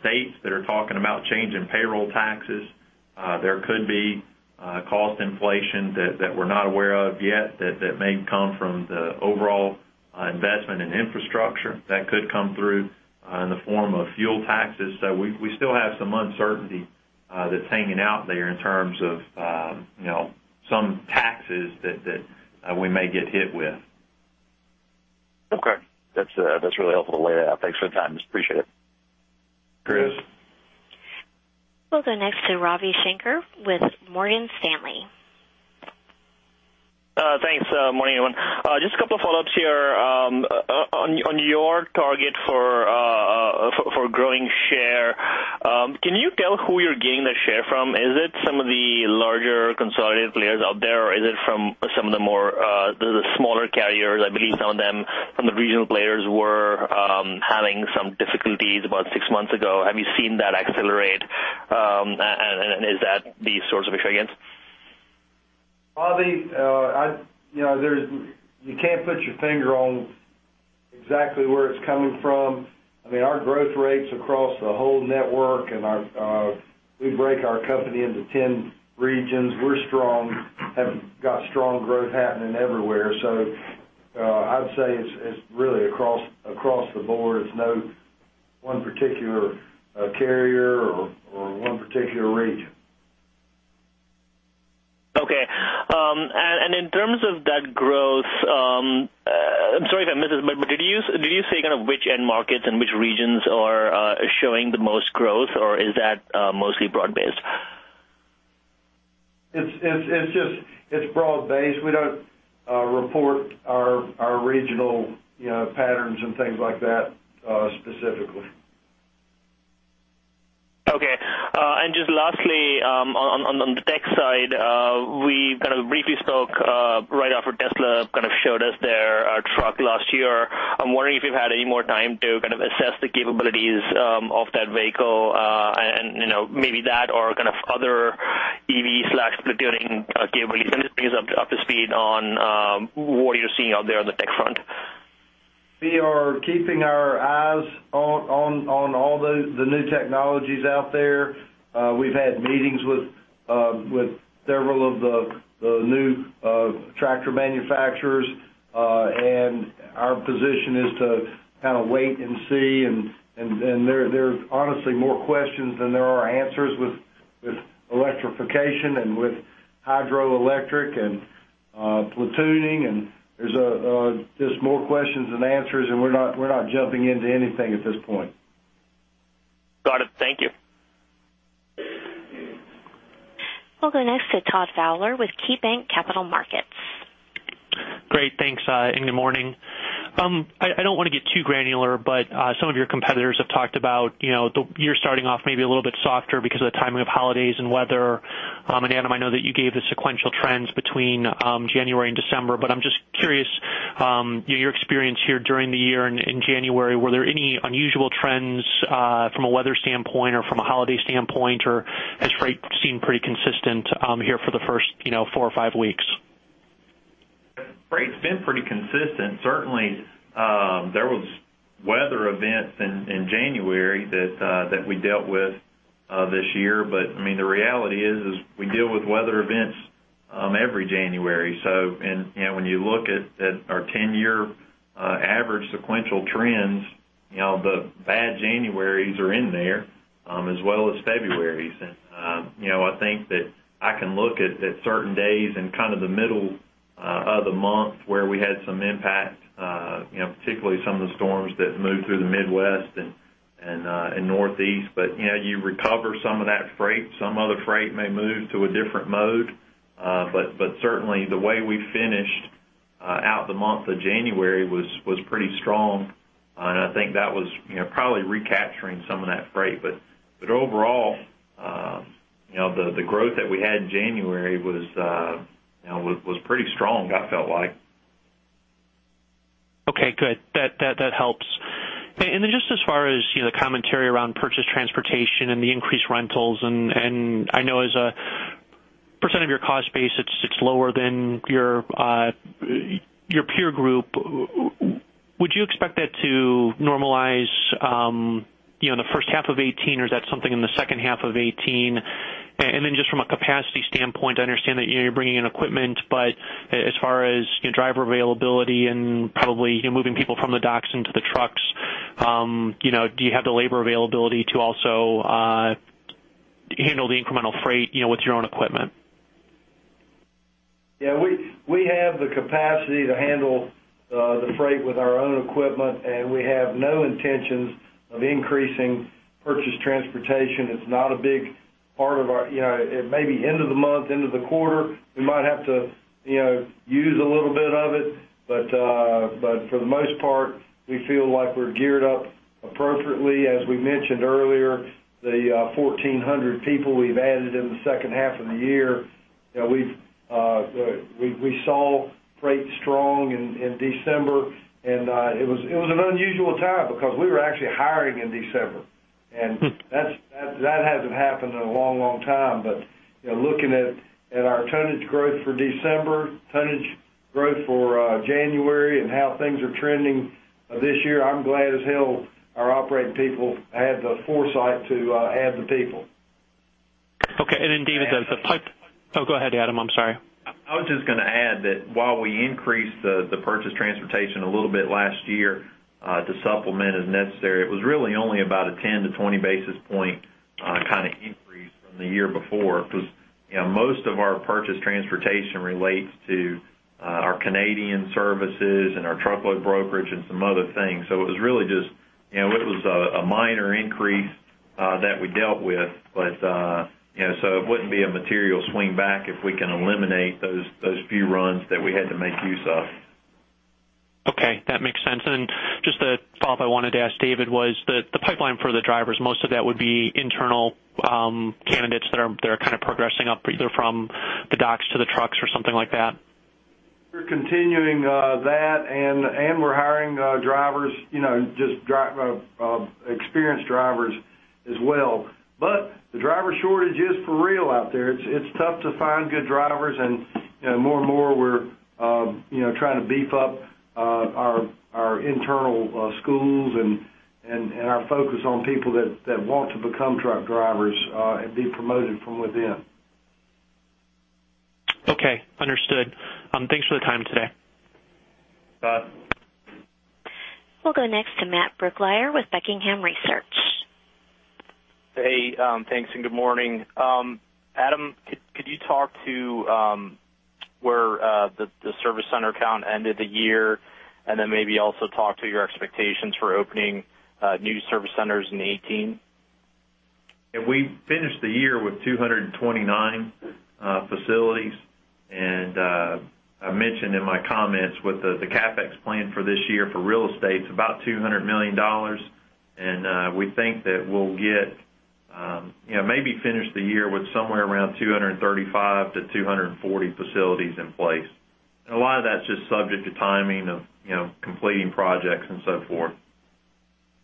states that are talking about changing payroll taxes. There could be cost inflation that we're not aware of yet that may come from the overall investment in infrastructure that could come through in the form of fuel taxes. We still have some uncertainty that's hanging out there in terms of, you know, some taxes that we may get hit with. Okay. That's, that's really helpful to lay it out. Thanks for the time. Just appreciate it. Chris. We'll go next to Ravi Shanker with Morgan Stanley. Thanks. Morning, everyone. Just a couple of follow-ups here target for growing share. Can you tell who you're gaining that share from? Is it some of the larger consolidated players out there, or is it from some of the more the smaller carriers? I believe some of them, some of the regional players were having some difficulties about six months ago. Have you seen that accelerate? Is that the source of your gains? Ravi Shanker, you know, you can't put your finger on exactly where it's coming from. I mean, our growth rates across the whole network and our, we break our company into 10 regions. We're strong, have got strong growth happening everywhere. I'd say it's really across the board. It's no one particular carrier or one particular region. Okay. In terms of that growth, I'm sorry if I missed this, but did you say kind of which end markets and which regions are showing the most growth, or is that mostly broad based? It's just, it's broad based. We don't report our regional, you know, patterns and things like that, specifically. Okay. Just lastly, on the tech side, we kind of briefly spoke right after Tesla kind of showed us their truck last year. I'm wondering if you've had any more time to kind of assess the capabilities of that vehicle, and, you know, maybe that or kind of other EV/platooning capabilities. Can you just bring us up to speed on what you're seeing out there on the tech front? We are keeping our eyes on all the new technologies out there. We've had meetings with several of the new tractor manufacturers. Our position is to kind of wait and see. There's honestly more questions than there are answers with electrification and with hydrogen electric and platooning. There's more questions than answers, and we're not, we're not jumping into anything at this point. Got it. Thank you. We'll go next to Todd Fowler with KeyBanc Capital Markets. Great. Thanks. Good morning. I don't wanna get too granular, but some of your competitors have talked about, you know, the year starting off maybe a little bit softer because of the timing of holidays and weather. Adam, I know that you gave the sequential trends between January and December, but I'm just curious, your experience here during the year in January, were there any unusual trends from a weather standpoint or from a holiday standpoint, or has freight seemed pretty consistent here for the first, you know, four or five weeks? Freight's been pretty consistent. Certainly, there was weather events in January that we dealt with this year. I mean, the reality is we deal with weather events every January. You know, when you look at our ten-year average sequential trends, you know, the bad Januarys are in there as well as Februarys. You know, I think that I can look at certain days in kind of the middle of the month where we had some impact, you know, particularly some of the storms that moved through the Midwest and Northeast. You know, you recover some of that freight. Some other freight may move to a different mode. But certainly the way we finished out the month of January was pretty strong. I think that was, you know, probably recapturing some of that freight. Overall, you know, the growth that we had in January was, you know, pretty strong, I felt like. Okay, good. That helps. Just as far as, you know, the commentary around purchase transportation and the increased rentals, I know as a percent of your cost base, it's lower than your peer group. Would you expect that to normalize, you know, in the first half of 2018, or is that something in the second half of 2018? Just from a capacity standpoint, I understand that you're bringing in equipment, but as far as your driver availability and probably, you know, moving people from the docks into the trucks, you know, do you have the labor availability to also handle the incremental freight, you know, with your own equipment? Yeah. We have the capacity to handle the freight with our own equipment. We have no intentions of increasing purchase transportation. It's not a big part of our. You know, it may be end of the month, end of the quarter, we might have to, you know, use a little bit of it. For the most part, we feel like we're geared up appropriately. As we mentioned earlier, the 1,400 people we've added in the second half of the year, you know, we've, we saw freight strong in December. It was an unusual time because we were actually hiring in December. That hasn't happened in a long, long time. You know, looking at our tonnage growth for December, tonnage growth for January and how things are trending this year, I'm glad as hell our operating people had the foresight to add the people. Okay. David. Oh, go ahead, Adam. I'm sorry. I was just gonna add that while we increased the purchase transportation a little bit last year, to supplement as necessary, it was really only about a 10-20 basis point kinda increase from the year before. You know, most of our purchase transportation relates to our Canadian services and our truckload brokerage and some other things. It was really just, you know, a minor increase that we dealt with. You know, it wouldn't be a material swing back if we can eliminate those few runs that we had to make use of. That makes sense. Just a follow-up I wanted to ask David was the pipeline for the drivers, most of that would be internal candidates that are kind of progressing up either from the docks to the trucks or something like that? We're continuing that and we're hiring drivers, you know, just experienced drivers as well. The driver shortage is for real out there. It's tough to find good drivers and, you know, more and more we're, you know, trying to beef up our internal schools and our focus on people that want to become truck drivers and be promoted from within. Okay. Understood. Thanks for the time today. Bye. We'll go next to Matt Brooklier with Buckingham Research. Hey, thanks and good morning. Adam, could you talk to where the service center count ended the year? Then maybe also talk to your expectations for opening new service centers in 2018. Yeah, we finished the year with 229 facilities. I mentioned in my comments with the CapEx plan for this year for real estate's about $200 million. We think that we'll get, you know, maybe finish the year with somewhere around 235 to 240 facilities in place. A lot of that's just subject to timing of, you know, completing projects and so forth.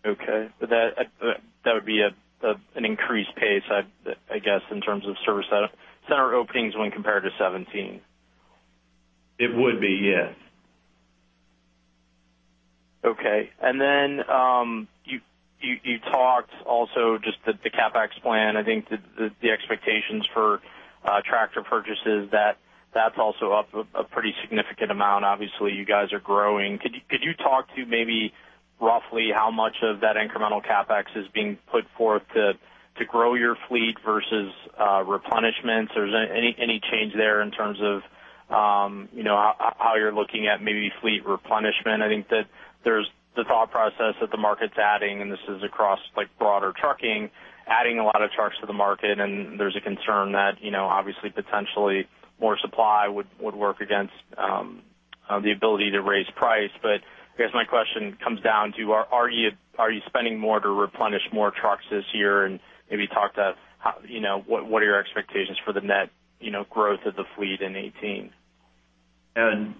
Okay. That would be an increased pace, I guess, in terms of service center openings when compared to 2017. It would be, yes. Okay. You talked also just the CapEx plan. I think the expectations for tractor purchases, that's also up a pretty significant amount. Obviously, you guys are growing. Could you talk to maybe roughly how much of that incremental CapEx is being put forth to grow your fleet versus replenishment? Is there any change there in terms of, you know, how you're looking at maybe fleet replenishment? I think that there's the thought process that the market's adding, this is across like broader trucking, adding a lot of trucks to the market, and there's a concern that, you know, obviously potentially more supply would work against the ability to raise price. I guess my question comes down to, are you spending more to replenish more trucks this year? Maybe talk to how, you know, what are your expectations for the net, you know, growth of the fleet in 2018? You know,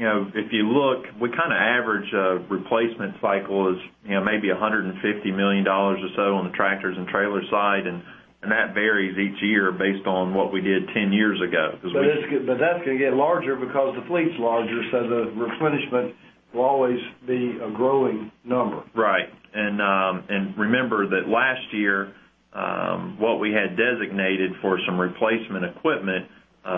if you look, we kinda average a replacement cycle is, you know, maybe $150 million or so on the tractors and trailers side, and that varies each year based on what we did 10 years ago because. That's gonna get larger because the fleet's larger, so the replenishment will always be a growing number. Right. Remember that last year, what we had designated for some replacement equipment,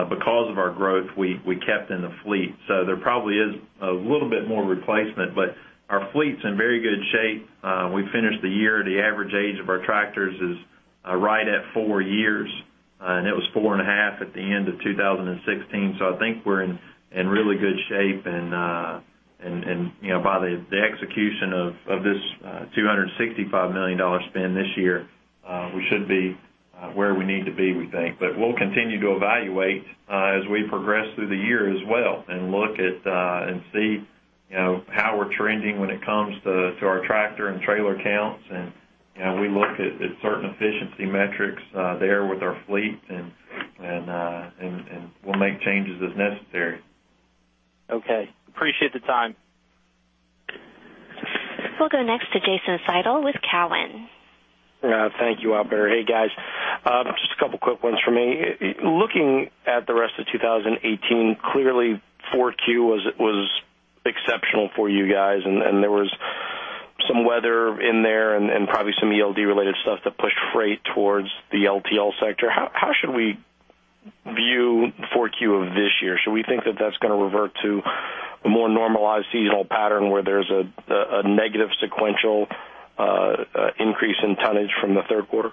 because of our growth, we kept in the fleet. There probably is a little bit more replacement, but our fleet's in very good shape. We finished the year, the average age of our tractors is right at four years, and it was four and half at the end of 2016. I think we're in really good shape and, you know, by the execution of this $265 million spend this year, we should be where we need to be, we think. We'll continue to evaluate as we progress through the year as well and look at and see, you know, how we're trending when it comes to our tractor and trailer counts. You know, we look at certain efficiency metrics there with our fleet and we'll make changes as necessary. Okay. Appreciate the time. We'll go next to Jason Seidl with Cowen. Yeah. Thank you, operator. Hey, guys. Just a couple quick ones for me. Looking at the rest of 2018, clearly, 4Q was exceptional for you guys, and there was some weather in there and probably some ELD-related stuff that pushed freight towards the LTL sector. How should we view 4Q of this year? Should we think that that's gonna revert to a more normalized seasonal pattern where there's a negative sequential increase in tonnage from the third quarter?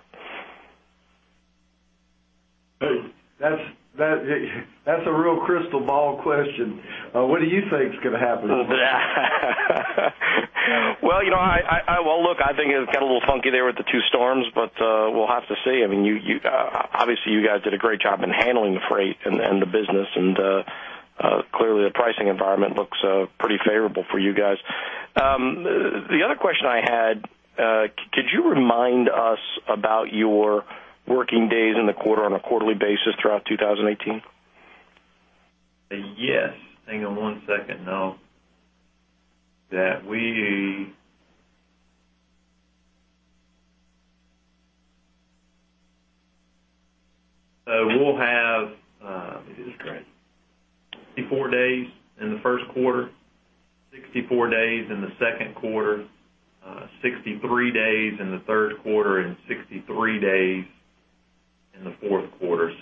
That's a real crystal ball question. What do you think is gonna happen? Well, you know, Well, look, I think it got a little funky there with the two storms, but we'll have to see. I mean, obviously, you guys did a great job in handling the freight and the business. Clearly the pricing environment looks pretty favorable for you guys. The other question I had, could you remind us about your working days in the quarter on a quarterly basis throughout 2018? Yes. Hang on one second. We'll have, Jesus Christ. 64 days in the first quarter, 64 days in the second quarter, 63 days in the third quarter, and 63 days in the fourth quarter.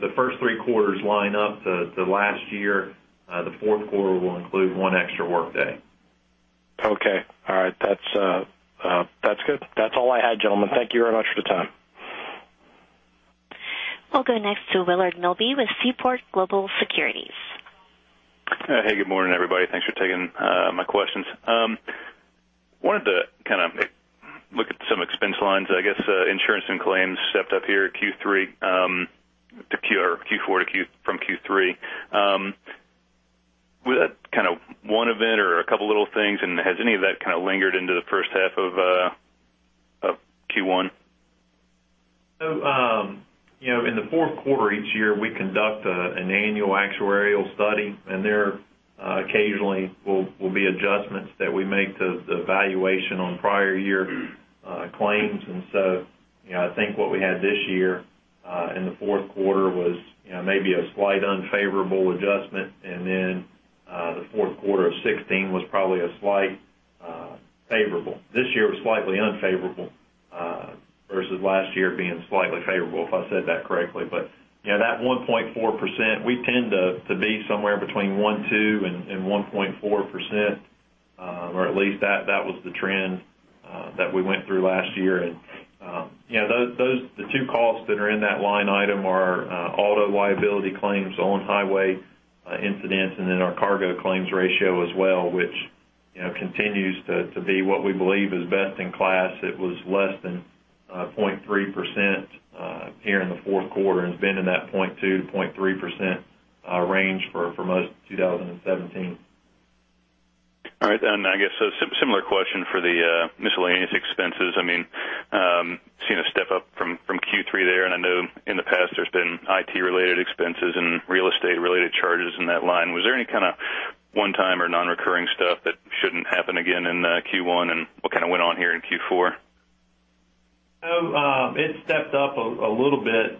The first three quarters line up to last year. The fourth quarter will include one extra workday. Okay. All right. That's, that's good. That's all I had, gentlemen. Thank you very much for the time. We'll go next to Willard Milby with Seaport Global Securities. Hey, good morning, everybody. Thanks for taking my questions. Wanted to kinda look at some expense lines. I guess, insurance and claims stepped up here Q4 from Q3. Was that kinda one event or a couple of little things, and has any of that kinda lingered into the first half of Q1? In the fourth quarter each year, we conduct an annual actuarial study, and there occasionally will be adjustments that we make to the valuation on prior year claims. I think what we had this year in the fourth quarter was maybe a slight unfavorable adjustment. The fourth quarter of 2016 was probably a slight favorable. This year was slightly unfavorable versus last year being slightly favorable, if I said that correctly. That 1.4%, we tend to be somewhere between 1.2% and 1.4%, or at least that was the trend that we went through last year. You know, those the two costs that are in that line item are auto liability claims on highway incidents and then our cargo claims ratio as well, which, you know, continues to be what we believe is best-in-class. It was less than 0.3% here in the fourth quarter and has been in that 0.2%-0.3% range for most of 2017. All right. I guess a similar question for the miscellaneous expenses. I mean, seeing a step up from Q3 there, and I know in the past there's been IT related expenses and real estate related charges in that line. Was there any kinda one-time or non-recurring stuff that shouldn't happen again in Q1, and what kinda went on here in Q4? It stepped up a little bit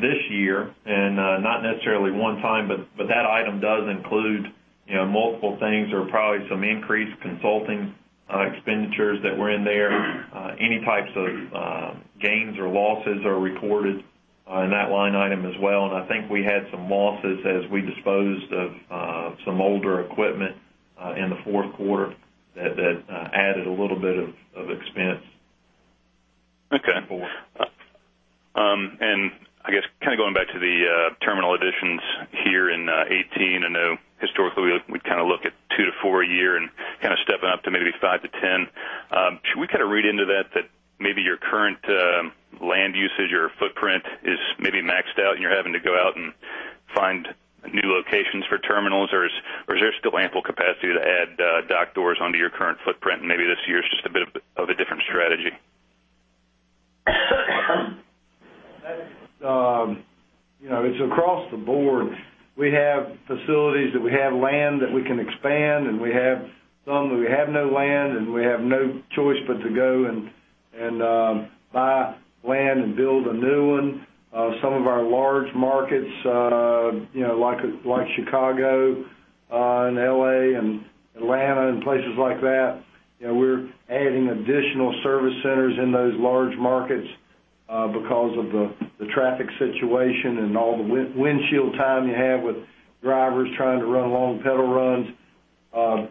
this year, and not necessarily one time, but that item does include, you know, multiple things or probably some increased consulting expenditures that were in there. Any types of gains or losses are recorded in that line item as well. I think we had some losses as we disposed of some older equipment in the fourth quarter that added a little bit of expense. Okay. I guess kinda going back to the terminal additions here in 2018. I know historically we kinda look at two to four a year and kinda stepping up to maybe five to 10. Should we kinda read into that maybe your current land usage or footprint is maybe maxed out and you're having to go out and find new locations for terminals? Or is there still ample capacity to add dock doors onto your current footprint and maybe this year is just a bit of a different strategy? That's, you know, it's across the board. We have facilities that we have land that we can expand, and we have some where we have no land, and we have no choice but to go and buy land and build a new one. Some of our large markets, you know, like Chicago, and L.A. and Atlanta and places like that, you know, we're adding additional service centers in those large markets, because of the traffic situation and all the windshield time you have with drivers trying to run long peddle runs.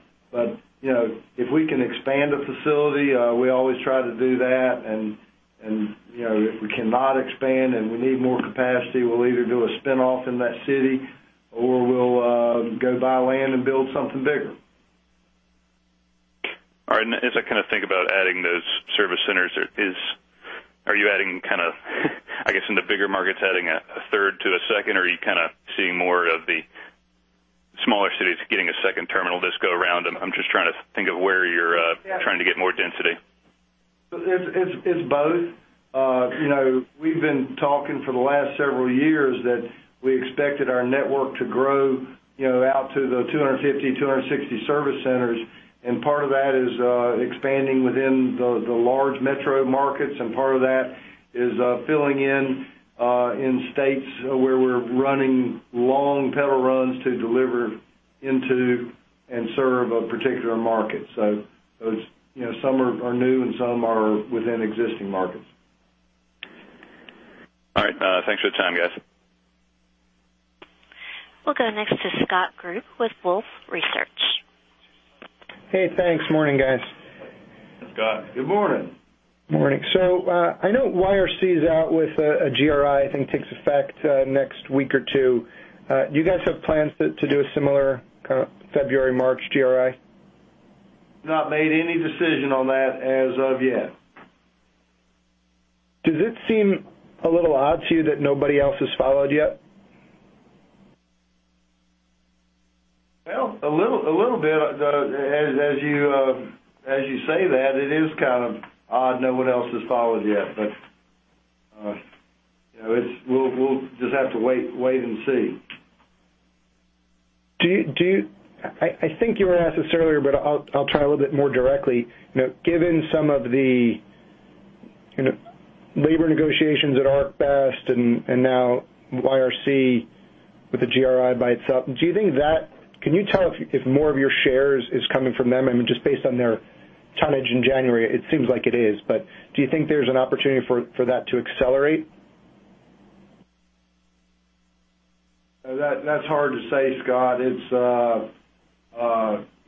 You know, if we can expand a facility, we always try to do that. You know, if we cannot expand and we need more capacity, we'll either do a spin-off in that city or we'll go buy land and build something bigger. All right. As I kinda think about adding those service centers, are you kinda, I guess, in the bigger markets, adding a third to a second? Are you kinda seeing more of the smaller cities getting a second terminal this go around? I'm just trying to think of where you're trying to get more density. It's both. You know, we've been talking for the last several years that we expected our network to grow, you know, out to the 250, 260 service centers, and part of that is expanding within the large metro markets, and part of that is filling in in states where we're running long pedal runs to deliver into and serve a particular market. Those, you know, some are new and some are within existing markets. All right. Thanks for the time, guys. We'll go next to Scott Group with Wolfe Research. Hey, thanks. Morning, guys. Scott, good morning. Morning. I know YRC is out with a GRI, I think takes effect next week or two. Do you guys have plans to do a similar kinda February, March GRI? Not made any decision on that as of yet. Does it seem a little odd to you that nobody else has followed yet? Well, a little bit. As you say that, it is kind of odd no one else has followed yet. You know, we'll just have to wait and see. Do you I think you were asked this earlier, but I'll try a little bit more directly. You know, given some of the, you know, labor negotiations at ArcBest and now YRC with the GRI by itself, do you think if more of your shares is coming from them? I mean, just based on their tonnage in January, it seems like it is. Do you think there's an opportunity for that to accelerate? That's hard to say, Scott. It's,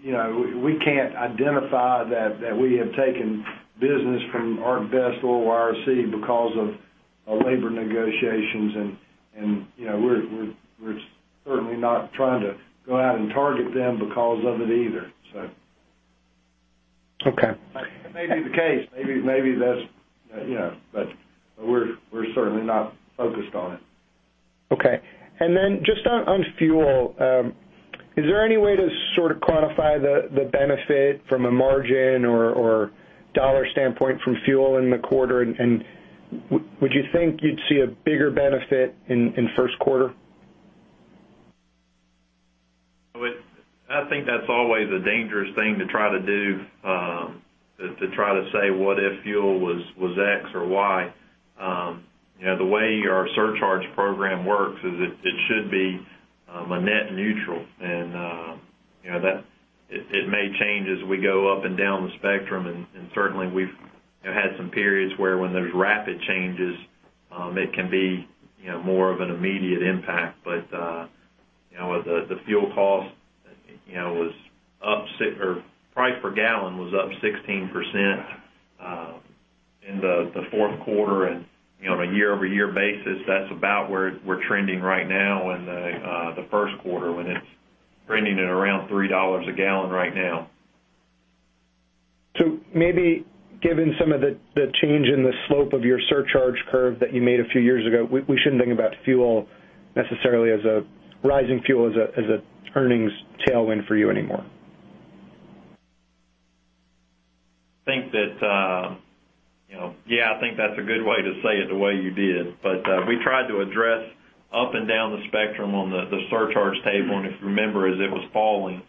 you know, we can't identify that we have taken business from ArcBest or YRC because of labor negotiations. You know, we're certainly not trying to go out and target them because of it either, so. Okay. It may be the case. Maybe, that's, you know, we're certainly not focused on it. Okay. Just on fuel, is there any way to sort of quantify the benefit from a margin or dollar standpoint from fuel in the quarter? Would you think you'd see a bigger benefit in first quarter? I think that's always a dangerous thing to try to say what if fuel was X or Y. You know, the way our surcharge program works is it should be a net neutral. You know, that it may change as we go up and down the spectrum. Certainly we've had some periods where when there's rapid changes, it can be, you know, more of an immediate impact. You know, the fuel cost, you know, price per gallon was up 16% in the fourth quarter. You know, on a year-over-year basis, that's about where we're trending right now in the first quarter, when it's trending at around $3 a gallon right now. Maybe given some of the change in the slope of your surcharge curve that you made a few years ago, we shouldn't think about fuel necessarily as a rising fuel as an earnings tailwind for you anymore. I think that, you know, yeah, I think that's a good way to say it the way you did. We tried to address up and down the spectrum on the surcharge table. If you remember, as it was falling,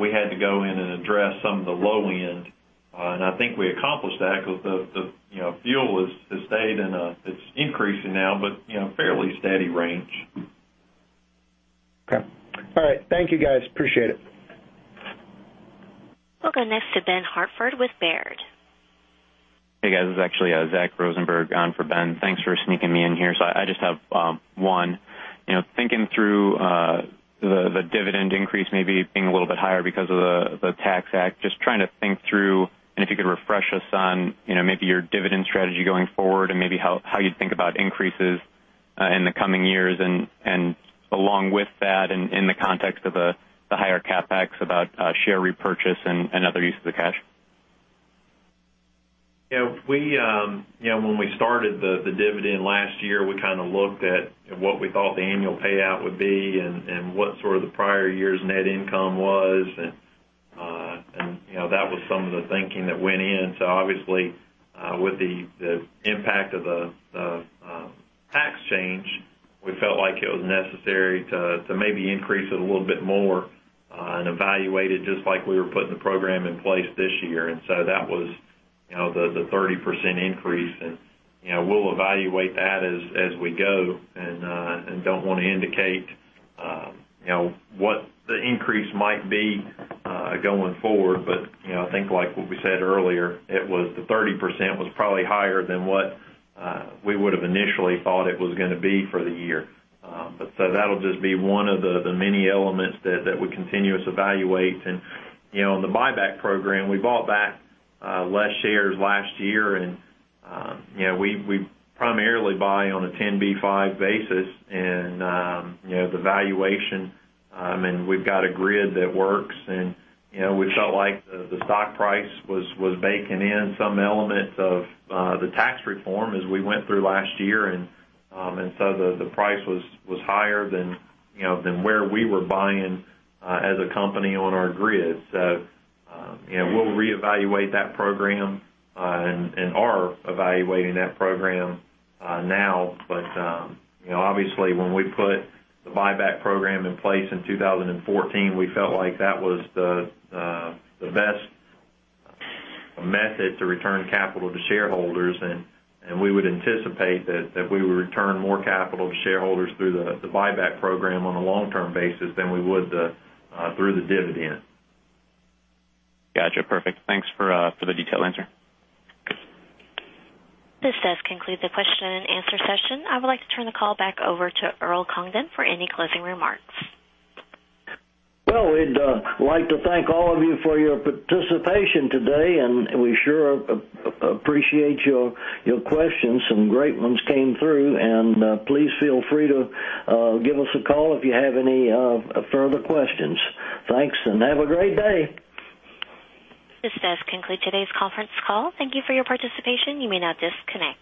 we had to go in and address some of the low end. I think we accomplished that because the, you know, fuel has stayed in it's increasing now, but, you know, fairly steady range. Okay. All right. Thank you, guys. Appreciate it. We'll go next to Benjamin Hartford with Baird. Hey, guys. This is actually Zach Rosenberg on for Ben. Thanks for sneaking me in here. I just have one. You know, thinking through the dividend increase maybe being a little bit higher because of the Tax Act, just trying to think through and if you could refresh us on, you know, maybe your dividend strategy going forward and maybe how you think about increases in the coming years. Along with that, in the context of the higher CapEx about share repurchase and other uses of cash. Yeah, we, you know, when we started the dividend last year, we kind of looked at what we thought the annual payout would be and what sort of the prior year's net income was. You know, that was some of the thinking that went in. Obviously, with the impact of the tax change, we felt like it was necessary to maybe increase it a little bit more and evaluate it just like we were putting the program in place this year. That was, you know, the 30% increase. You know, we'll evaluate that as we go and don't wanna indicate, you know, what the increase might be going forward. You know, I think like what we said earlier, it was the 30% was probably higher than what we would have initially thought it was gonna be for the year. That'll just be one of the many elements that we continuous evaluate. You know, on the buyback program, we bought back less shares last year. You know, we primarily buy on a 10b5-1 basis and, you know, the valuation and we've got a grid that works. You know, we felt like the stock price was baking in some elements of the tax reform as we went through last year. The price was higher than, you know, than where we were buying as a company on our grid. You know, we'll reevaluate that program, and are evaluating that program, now. You know, obviously when we put the buyback program in place in 2014, we felt like that was the best method to return capital to shareholders. We would anticipate that we would return more capital to shareholders through the buyback program on a long-term basis than we would through the dividend. Got you. Perfect. Thanks for for the detailed answer. This does conclude the question and answer session. I would like to turn the call back over to Earl Congdon for any closing remarks. Well, we'd like to thank all of you for your participation today, and we sure appreciate your questions. Some great ones came through. Please feel free to give us a call if you have any further questions. Thanks. Have a great day. This does conclude today's conference call. Thank you for your participation. You may now disconnect.